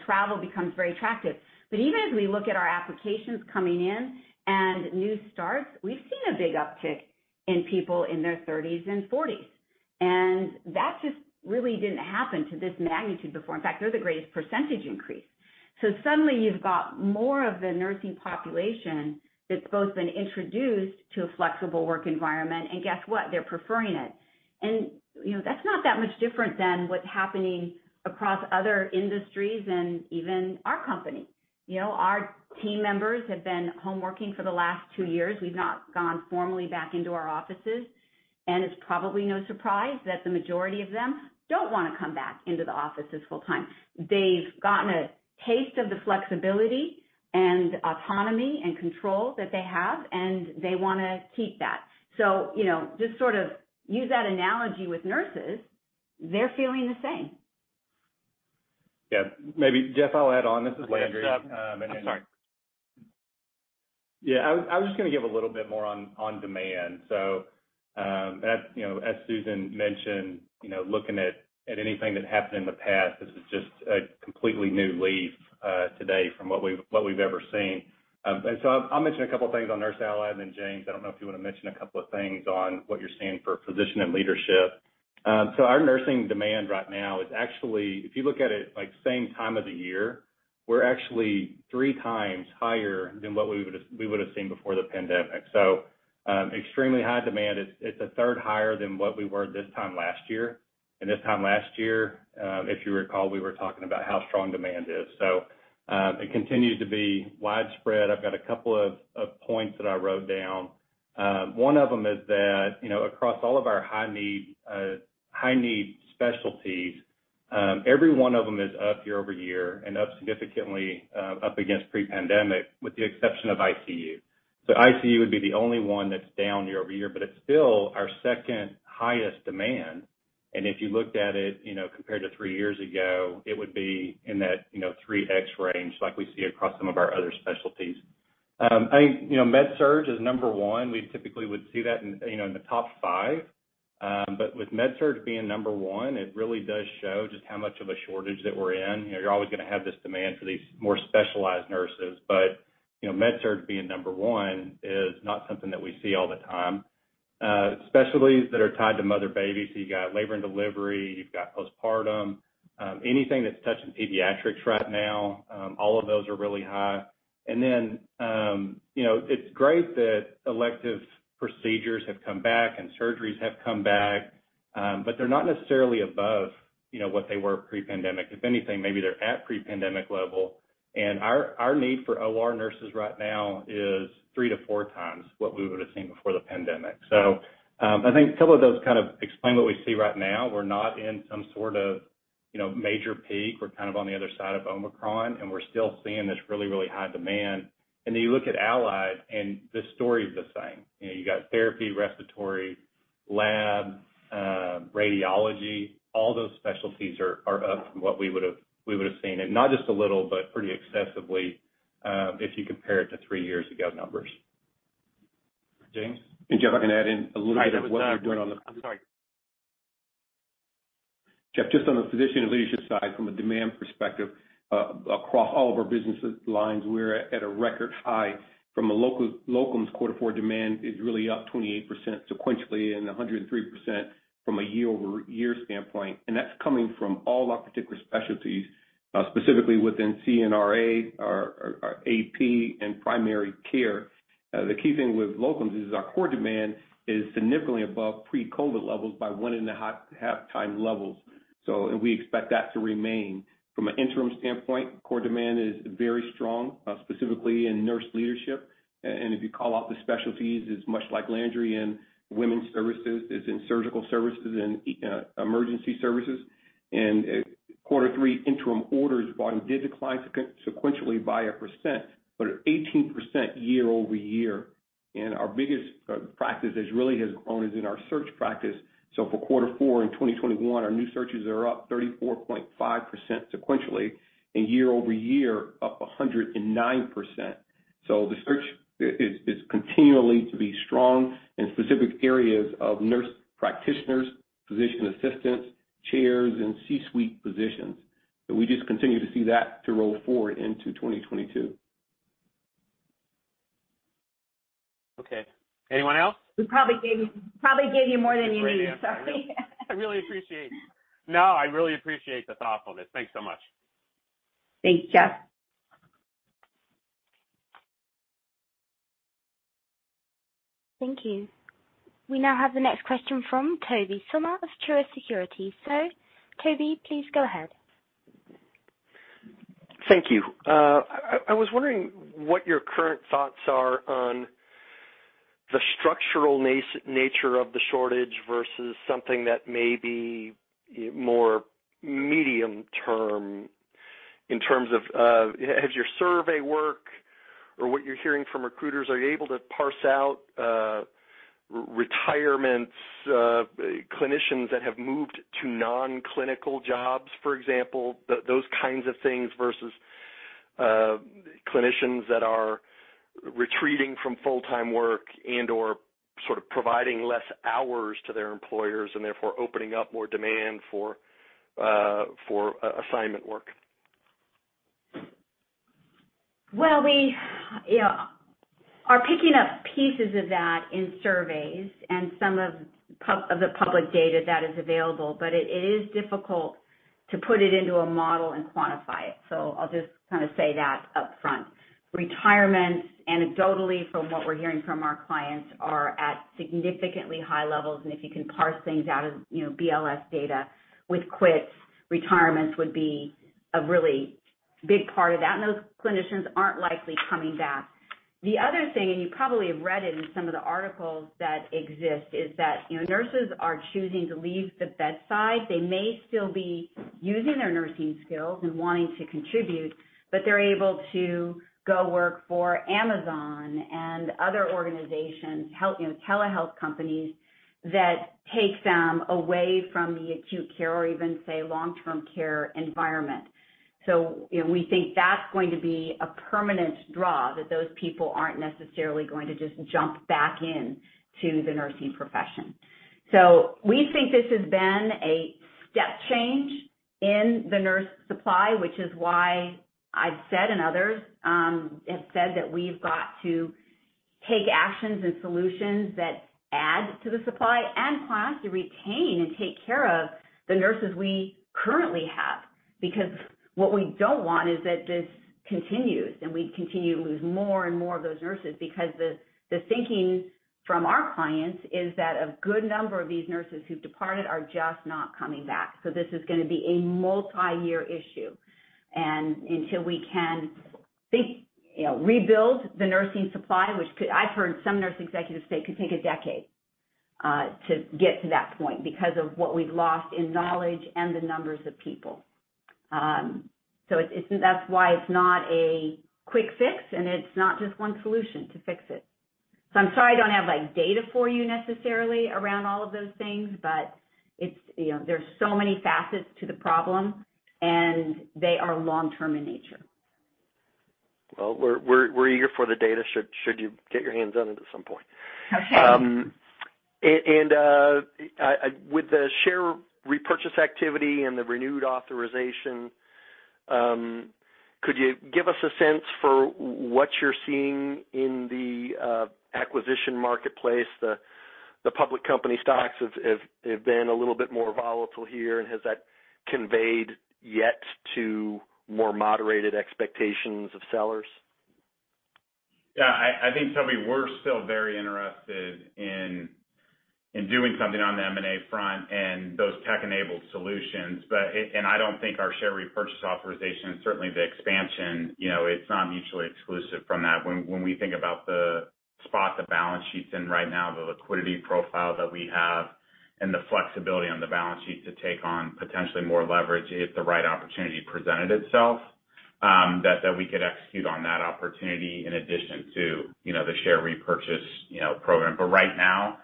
Travel becomes very attractive. Even as we look at our applications coming in and new starts, we've seen a big uptick in people in their thirties and forties. That just really didn't happen to this magnitude before. In fact, they're the greatest percentage increase. Suddenly you've got more of the nursing population that's both been introduced to a flexible work environment, and guess what? They're preferring it. You know, that's not that much different than what's happening across other industries and even our company. You know, our team members have been home working for the last two years. We've not gone formally back into our offices, and it's probably no surprise that the majority of them don't wanna come back into the offices full-time. They've gotten a taste of the flexibility and autonomy and control that they have, and they wanna keep that. You know, just sort of use that analogy with nurses, they're feeling the same. Yeah. Maybe, Jeff, I'll add on. This is Landry. Okay. Yeah. I'm sorry. Yeah. I was just gonna give a little bit more on demand. As you know, as Susan mentioned, you know, looking at anything that happened in the past, this is just a completely new level today from what we've ever seen. I'll mention a couple of things on Nurse and Allied, and then, James, I don't know if you wanna mention a couple of things on what you're seeing for physician and leadership. Our nursing demand right now is actually, if you look at it, like, same time of the year, we're actually 3x higher than what we would've seen before the pandemic. Extremely high demand. It's a third higher than what we were this time last year. This time last year, if you recall, we were talking about how strong demand is. It continues to be widespread. I've got a couple of points that I wrote down. One of them is that, you know, across all of our high need specialties, every one of them is up year-over-year and up significantly up against pre-pandemic, with the exception of ICU. ICU would be the only one that's down year-over-year, but it's still our second highest demand. If you looked at it, you know, compared to three years ago, it would be in that, you know, 3x range like we see across some of our other specialties. I think, you know, Med-Surg is number one. We typically would see that in, you know, in the top five. With Med-Surg being number one, it really does show just how much of a shortage that we're in. You know, you're always gonna have this demand for these more specialized nurses. You know, Med-Surg being number one is not something that we see all the time. Specialties that are tied to mother babies, so you got labor and delivery, you've got postpartum, anything that's touching pediatrics right now, all of those are really high. You know, it's great that elective procedures have come back and surgeries have come back, but they're not necessarily above, you know, what they were pre-pandemic. If anything, maybe they're at pre-pandemic level. Our need for OR nurses right now is 3x-4x what we would've seen before the pandemic. I think a couple of those kind of explain what we see right now. We're not in some sort of, you know, major peak. We're kind of on the other side of Omicron, and we're still seeing this really, really high demand. Then you look at allied, and the story is the same. You know, you got therapy, respiratory, lab, radiology, all those specialties are up from what we would've seen. Not just a little, but pretty excessively, if you compare it to three years ago numbers. James. Jeff, I can add in a little bit of what we're doing on the- Sorry. Jeff, just on the physician leadership side, from a demand perspective, across all of our business lines, we're at a record high. From a locums quarter four demand is really up 28% sequentially and 103% from a year-over-year standpoint. That's coming from all our particular specialties, specifically within CRNA, our APP and primary care. The key thing with locums is our core demand is significantly above pre-COVID levels by 1.5x levels. We expect that to remain. From an interim standpoint, core demand is very strong, specifically in nurse leadership. If you call out the specialties, it's much like Landry in women's services, it's in surgical services and emergency services. Quarter three interim orders volume did decline sequentially by 1%, but are 18% year-over-year. Our biggest practice has really grown is in our search practice. For quarter four in 2021, our new searches are up 34.5% sequentially, and year-over-year up 109%. The search is continually to be strong in specific areas of nurse practitioners, physician assistants, chairs and C-suite positions. We just continue to see that to roll forward into 2022. Okay. Anyone else? We probably gave you more than you needed. Sorry. No, I really appreciate the thoughtfulness. Thanks so much. Thanks, Jeff. Thank you. We now have the next question from Tobey Sommer of Truist Securities. Tobey, please go ahead. Thank you. I was wondering what your current thoughts are on the structural nature of the shortage versus something that may be more medium term in terms of, has your survey work or what you're hearing from recruiters, are you able to parse out, retirements, clinicians that have moved to non-clinical jobs, for example, those kinds of things versus, clinicians that are retreating from full-time work and or sort of providing less hours to their employers and therefore opening up more demand for, assignment work? Well, we, you know, are picking up pieces of that in surveys and some of the public data that is available, but it is difficult to put it into a model and quantify it. I'll just kinda say that up front. Retirements, anecdotally from what we're hearing from our clients, are at significantly high levels, and if you can parse things out of, you know, BLS data with quits, retirements would be a really big part of that. Those clinicians aren't likely coming back. The other thing, and you probably have read it in some of the articles that exist, is that, you know, nurses are choosing to leave the bedside. They may still be using their nursing skills and wanting to contribute, but they're able to go work for Amazon and other organizations, help, you know, telehealth companies that take them away from the acute care or even, say, long-term care environment. You know, we think that's going to be a permanent draw, that those people aren't necessarily going to just jump back in to the nursing profession. We think this has been a step change in the nurse supply, which is why I've said, and others, have said, that we've got to take actions and solutions that add to the supply and plans to retain and take care of the nurses we currently have. Because what we don't want is that this continues, and we continue to lose more and more of those nurses because the thinking from our clients is that a good number of these nurses who've departed are just not coming back. This is gonna be a multi-year issue. Until we can think, you know, rebuild the nursing supply, which I've heard some nurse executives say could take a decade to get to that point because of what we've lost in knowledge and the numbers of people. That's why it's not a quick fix, and it's not just one solution to fix it. I'm sorry I don't have, like, data for you necessarily around all of those things, but it's, you know, there's so many facets to the problem, and they are long-term in nature. Well, we're eager for the data should you get your hands on it at some point. Okay. With the share repurchase activity and the renewed authorization, could you give us a sense for what you're seeing in the acquisition marketplace? Public company stocks have been a little bit more volatile here. Has that conveyed yet to more moderated expectations of sellers? Yeah. I think, Tobey, we're still very interested in doing something on the M&A front and those tech-enabled solutions. I don't think our share repurchase authorization, certainly the expansion, you know, it's not mutually exclusive from that. When we think about the spot the balance sheet's in right now, the liquidity profile that we have and the flexibility on the balance sheet to take on potentially more leverage if the right opportunity presented itself, that we could execute on that opportunity in addition to, you know, the share repurchase, you know, program. Right now,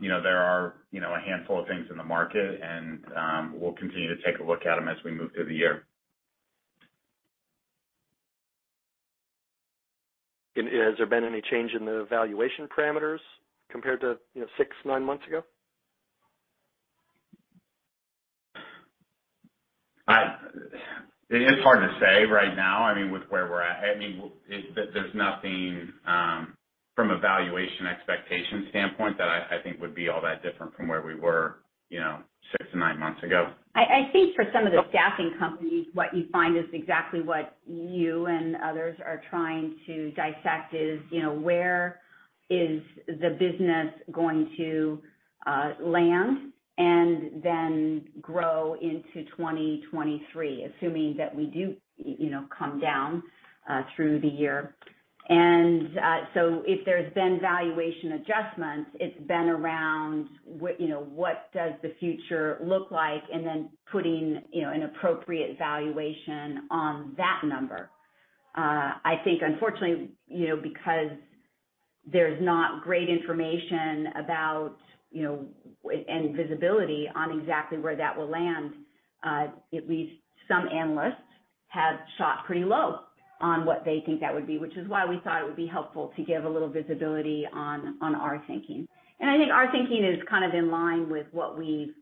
you know, there are, you know, a handful of things in the market, and we'll continue to take a look at them as we move through the year. Has there been any change in the valuation parameters compared to, you know, six, nine months ago? It's hard to say right now. I mean, with where we're at. I mean, there's nothing from a valuation expectation standpoint that I think would be all that different from where we were, you know, six to nine months ago. I think for some of the staffing companies, what you find is exactly what you and others are trying to dissect is, you know, where is the business going to land and then grow into 2023, assuming that we do, you know, come down through the year. If there's been valuation adjustments, it's been around what, you know, what does the future look like and then putting, you know, an appropriate valuation on that number. I think unfortunately, you know, because there's not great information about, you know, and visibility on exactly where that will land, at least some analysts have shot pretty low on what they think that would be, which is why we thought it would be helpful to give a little visibility on our thinking. I think our thinking is kind of in line with what we've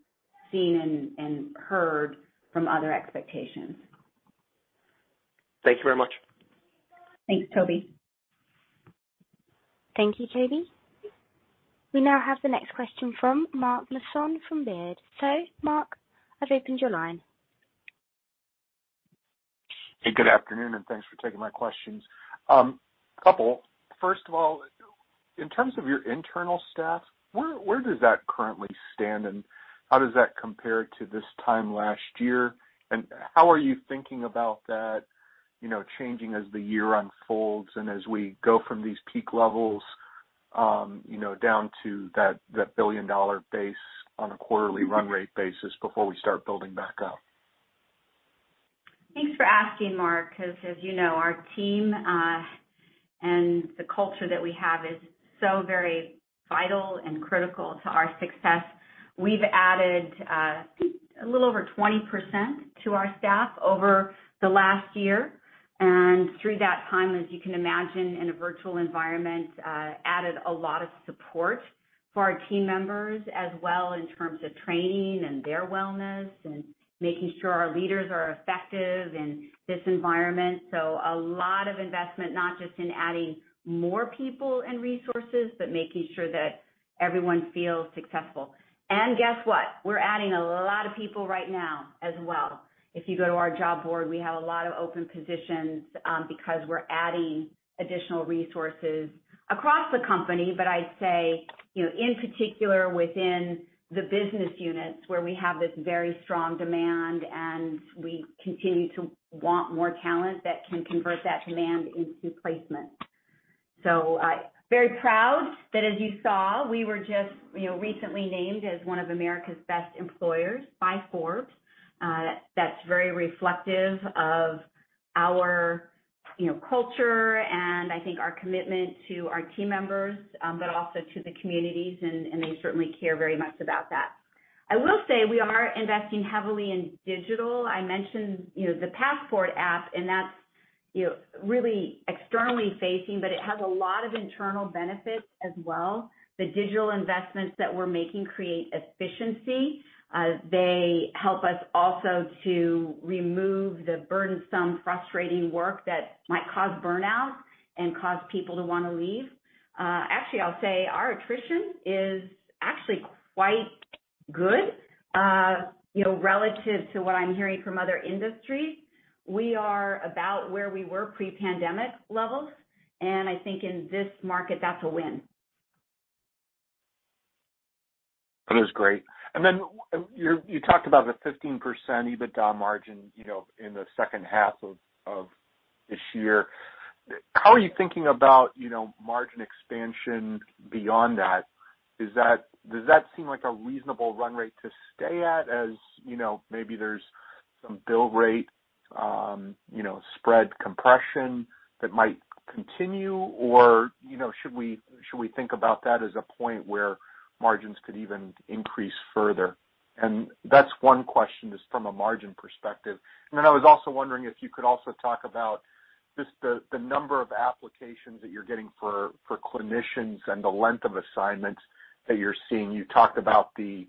seen and heard from other expectations. Thank you very much. Thanks, Tobey. Thank you, Tobey. We now have the next question from Mark Marcon from Baird. Mark, I've opened your line. Hey, good afternoon, and thanks for taking my questions. A couple. First of all, in terms of your internal staff, where does that currently stand, and how does that compare to this time last year? How are you thinking about that, you know, changing as the year unfolds and as we go from these peak levels, you know, down to that billion-dollar base on a quarterly run rate basis before we start building back up? Thanks for asking, Mark, 'cause as you know, our team and the culture that we have is so very vital and critical to our success. We've added, I think a little over 20% to our staff over the last year. Through that time, as you can imagine in a virtual environment, added a lot of support for our team members as well in terms of training and their wellness and making sure our leaders are effective in this environment. A lot of investment, not just in adding more people and resources, but making sure that everyone feels successful. Guess what? We're adding a lot of people right now as well. If you go to our job board, we have a lot of open positions, because we're adding additional resources across the company. I'd say, you know, in particular within the business units where we have this very strong demand, and we continue to want more talent that can convert that demand into placement. Very proud that as you saw, we were just, you know, recently named as one of America's Best Employers by Forbes. That's very reflective of our, you know, culture and I think our commitment to our team members, but also to the communities, and they certainly care very much about that. I will say we are investing heavily in digital. I mentioned, you know, the Passport app, and that's, you know, really externally facing, but it has a lot of internal benefits as well. The digital investments that we're making create efficiency. They help us also to remove the burdensome, frustrating work that might cause burnout and cause people to wanna leave. Actually, I'll say our attrition is quite good. You know, relative to what I'm hearing from other industries, we are about where we were pre-pandemic levels, and I think in this market, that's a win. That is great. You talked about the 15% EBITDA margin, you know, in the second half of this year. How are you thinking about, you know, margin expansion beyond that? Is that a reasonable run rate to stay at as, you know, maybe there's some bill rate, you know, spread compression that might continue or, you know, should we think about that as a point where margins could even increase further? That's one question from a margin perspective. I was also wondering if you could also talk about just the number of applications that you're getting for clinicians and the length of assignments that you're seeing. You talked about the,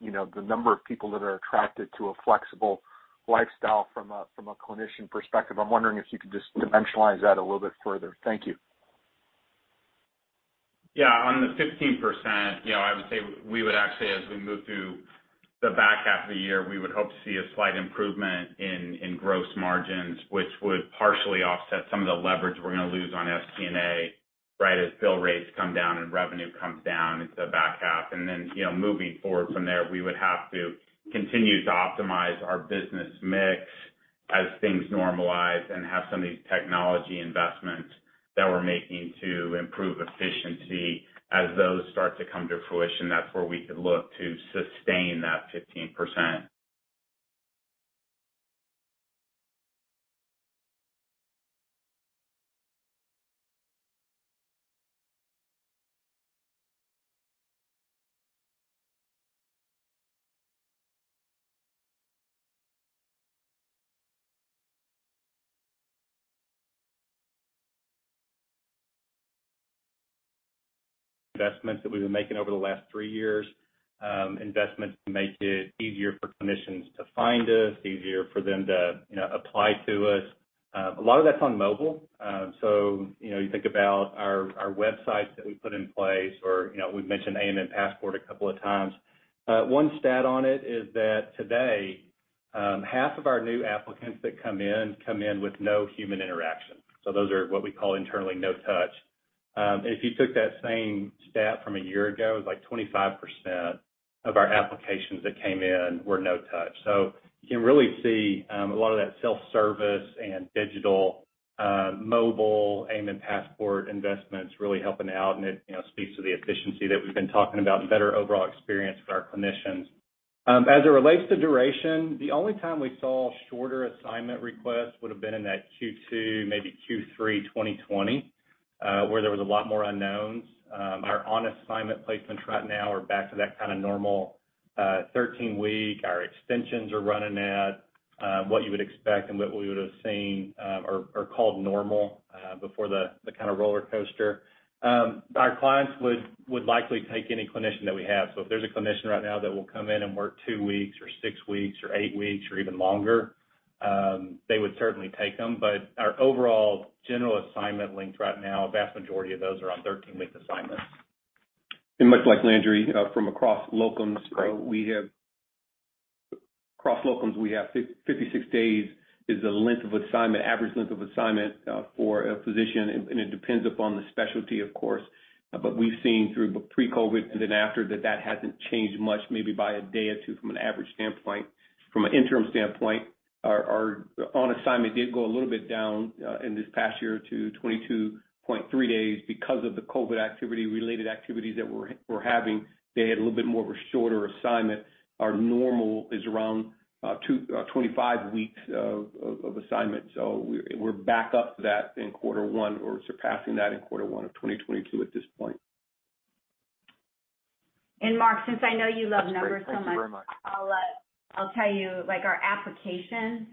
you know, the number of people that are attracted to a flexible lifestyle from a clinician perspective. I'm wondering if you could just dimensionalize that a little bit further. Thank you. Yeah. On the 15%, you know, I would say we would actually, as we move through the back half of the year, we would hope to see a slight improvement in gross margins, which would partially offset some of the leverage we're gonna lose on SG&A, right, as bill rates come down and revenue comes down into the back half. You know, moving forward from there, we would have to continue to optimize our business mix as things normalize and have some of these technology investments that we're making to improve efficiency. As those start to come to fruition, that's where we could look to sustain that 15%. Investments that we've been making over the last three years to make it easier for clinicians to find us, easier for them to, you know, apply to us. A lot of that's on mobile. You know, you think about our websites that we put in place or, you know, we've mentioned AMN Passport a couple of times. One stat on it is that today, half of our new applicants that come in with no human interaction. Those are what we call internally no touch. If you took that same stat from a year ago, it was like 25% of our applications that came in were no touch. You can really see a lot of that self-service and digital mobile AMN Passport investments really helping out, and it, you know, speaks to the efficiency that we've been talking about, better overall experience with our clinicians. As it relates to duration, the only time we saw shorter assignment requests would have been in that Q2, maybe Q3 2020, where there was a lot more unknowns. Our on assignment placements right now are back to that kinda normal 13-week. Our extensions are running at what you would expect and what we would have seen or called normal before the kinda rollercoaster. Our clients would likely take any clinician that we have. If there's a clinician right now that will come in and work two weeks or six weeks or eight weeks or even longer, they would certainly take them. Our overall general assignment length right now, a vast majority of those are on 13-week assignments. Much like Landry, from across locums Great. We have across locums 56 days is the length of assignment, average length of assignment, for a physician, and it depends upon the specialty, of course. We've seen through pre-COVID and then after that hasn't changed much, maybe by a day or two from an average standpoint. From an interim standpoint, our on assignment did go a little bit down in this past year 2022 for three days because of the COVID-related activities that we're having. They had a little bit more of a shorter assignment. Our normal is around 25 weeks of assignment. We're back up to that in quarter one or surpassing that in quarter one of 2022 at this point. Mark, since I know you love numbers so much. That's great. Thank you very much. I'll tell you, like, our applications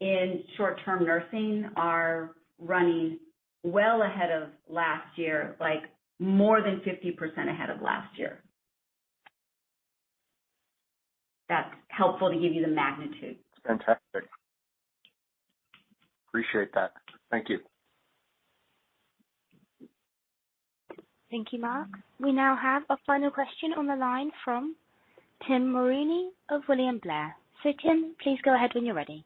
in short-term nursing are running well ahead of last year, like more than 50% ahead of last year. If that's helpful to give you the magnitude. Fantastic. Appreciate that. Thank you. Thank you, Mark. We now have a final question on the line from Tim Mulrooney of William Blair. Tim, please go ahead when you're ready.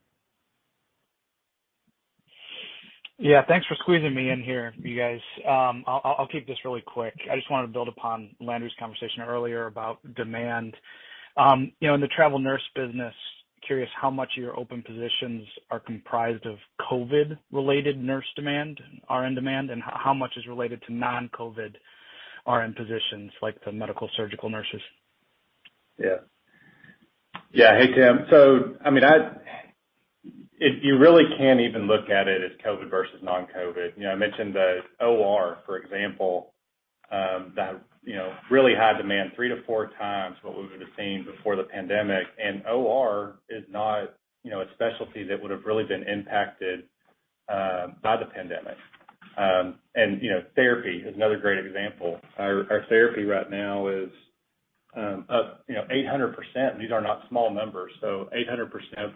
Yeah. Thanks for squeezing me in here, you guys. I'll keep this really quick. I just wanted to build upon Landry's conversation earlier about demand. You know, in the travel nurse business, I'm curious how much of your open positions are comprised of COVID-related nurse demand, RN demand, and how much is related to non-COVID RN positions, like the medical surgical nurses? Yeah. Yeah. Hey, Tim. I mean, if you really can't even look at it as COVID versus non-COVID. You know, I mentioned the OR for example, that, you know, really high demand, 3x-4x what we would have seen before the pandemic. OR is not, you know, a specialty that would have really been impacted by the pandemic. You know, therapy is another great example. Our therapy right now is up, you know, 800%, these are not small numbers. 800%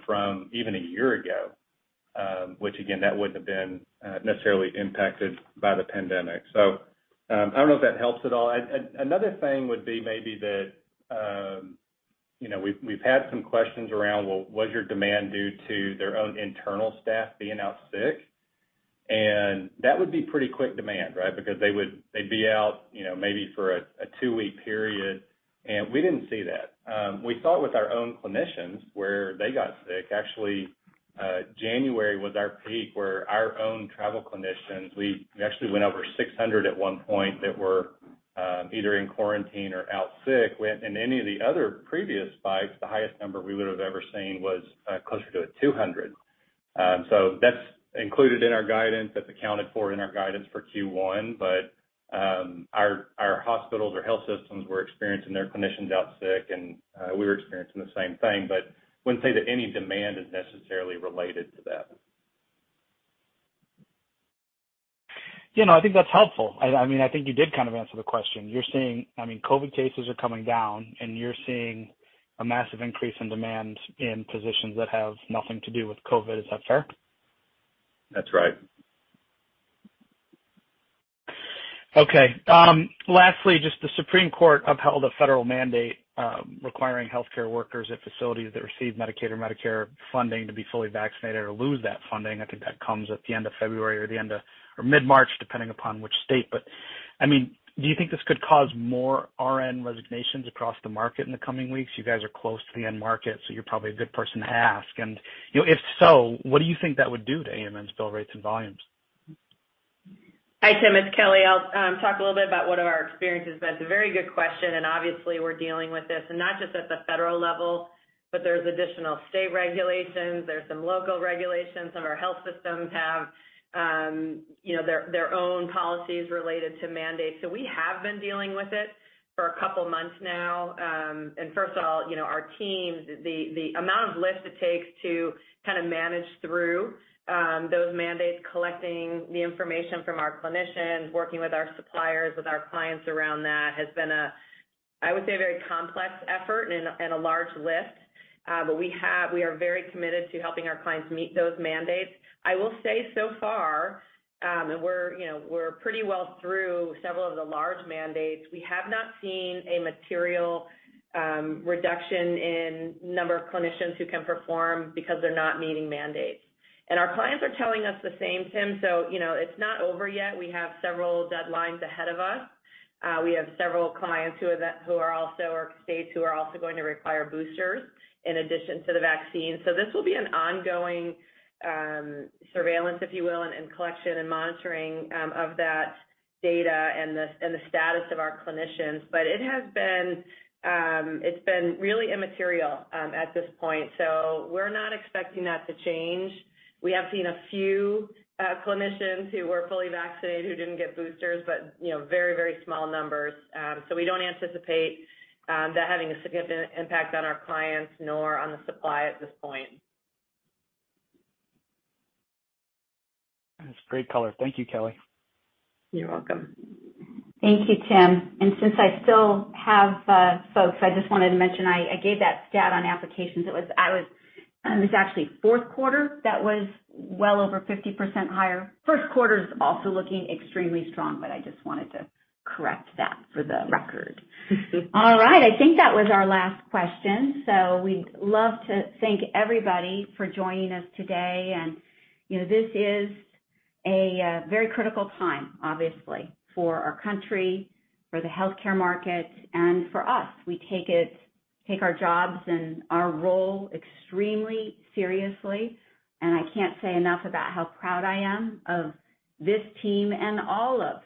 from even a year ago, which again, that wouldn't have been necessarily impacted by the pandemic. I don't know if that helps at all. Another thing would be maybe that, you know, we've had some questions around, well, was your demand due to their own internal staff being out sick? That would be pretty quick demand, right? Because they would be out, you know, maybe for a two-week period, and we didn't see that. We saw it with our own clinicians, where they got sick. Actually, January was our peak, where our own travel clinicians, we actually went over 600 at one point that were either in quarantine or out sick. In any of the other previous spikes, the highest number we would have ever seen was closer to 200. So that's included in our guidance. That's accounted for in our guidance for Q1. Our hospitals or health systems were experiencing their clinicians out sick, and we were experiencing the same thing. Wouldn't say that any demand is necessarily related to that. You know, I think that's helpful. I mean, I think you did kind of answer the question. You're seeing, I mean, COVID cases are coming down, and you're seeing a massive increase in demand in positions that have nothing to do with COVID. Is that fair? That's right. Okay. Lastly, just the Supreme Court upheld a federal mandate, requiring healthcare workers at facilities that receive Medicaid or Medicare funding to be fully vaccinated or lose that funding. I think that comes at the end of February or mid-March, depending upon which state. I mean, do you think this could cause more RN resignations across the market in the coming weeks? You guys are close to the end market, so you're probably a good person to ask. You know, if so, what do you think that would do to AMN's bill rates and volumes? Hi, Tim. It's Kelly. I'll talk a little bit about what our experience has been. It's a very good question, and obviously we're dealing with this and not just at the federal level, but there's additional state regulations, there's some local regulations, some of our health systems have, you know, their own policies related to mandates. We have been dealing with it for a couple months now. First of all, you know, our teams, the amount of lift it takes to kinda manage through those mandates, collecting the information from our clinicians, working with our suppliers, with our clients around that has been, I would say, a very complex effort and a large lift, but we are very committed to helping our clients meet those mandates. I will say so far, you know, we're pretty well through several of the large mandates. We have not seen a material reduction in number of clinicians who can perform because they're not meeting mandates. Our clients are telling us the same, Tim. You know, it's not over yet. We have several deadlines ahead of us. We have several clients who are also, or states who are also going to require boosters in addition to the vaccine. This will be an ongoing surveillance, if you will, and collection and monitoring of that data and the status of our clinicians. It has been really immaterial at this point. We're not expecting that to change. We have seen a few clinicians who were fully vaccinated who didn't get boosters, but, you know, very, very small numbers. We don't anticipate that having a significant impact on our clients nor on the supply at this point. That's great color. Thank you, Kelly. You're welcome. Thank you, Tim. Since I still have folks, I just wanted to mention, I gave that stat on applications. It was actually fourth quarter that was well over 50% higher. First quarter is also looking extremely strong, but I just wanted to correct that for the record. All right. I think that was our last question. We'd love to thank everybody for joining us today. You know, this is a very critical time, obviously, for our country, for the healthcare market, and for us. We take our jobs and our role extremely seriously. I can't say enough about how proud I am of this team and all of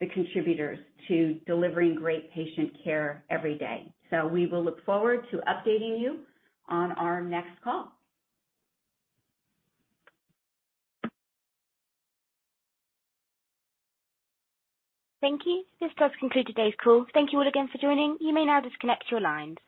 the contributors to delivering great patient care every day. We will look forward to updating you on our next call. Thank you. This does conclude today's call. Thank you all again for joining. You may now disconnect your lines.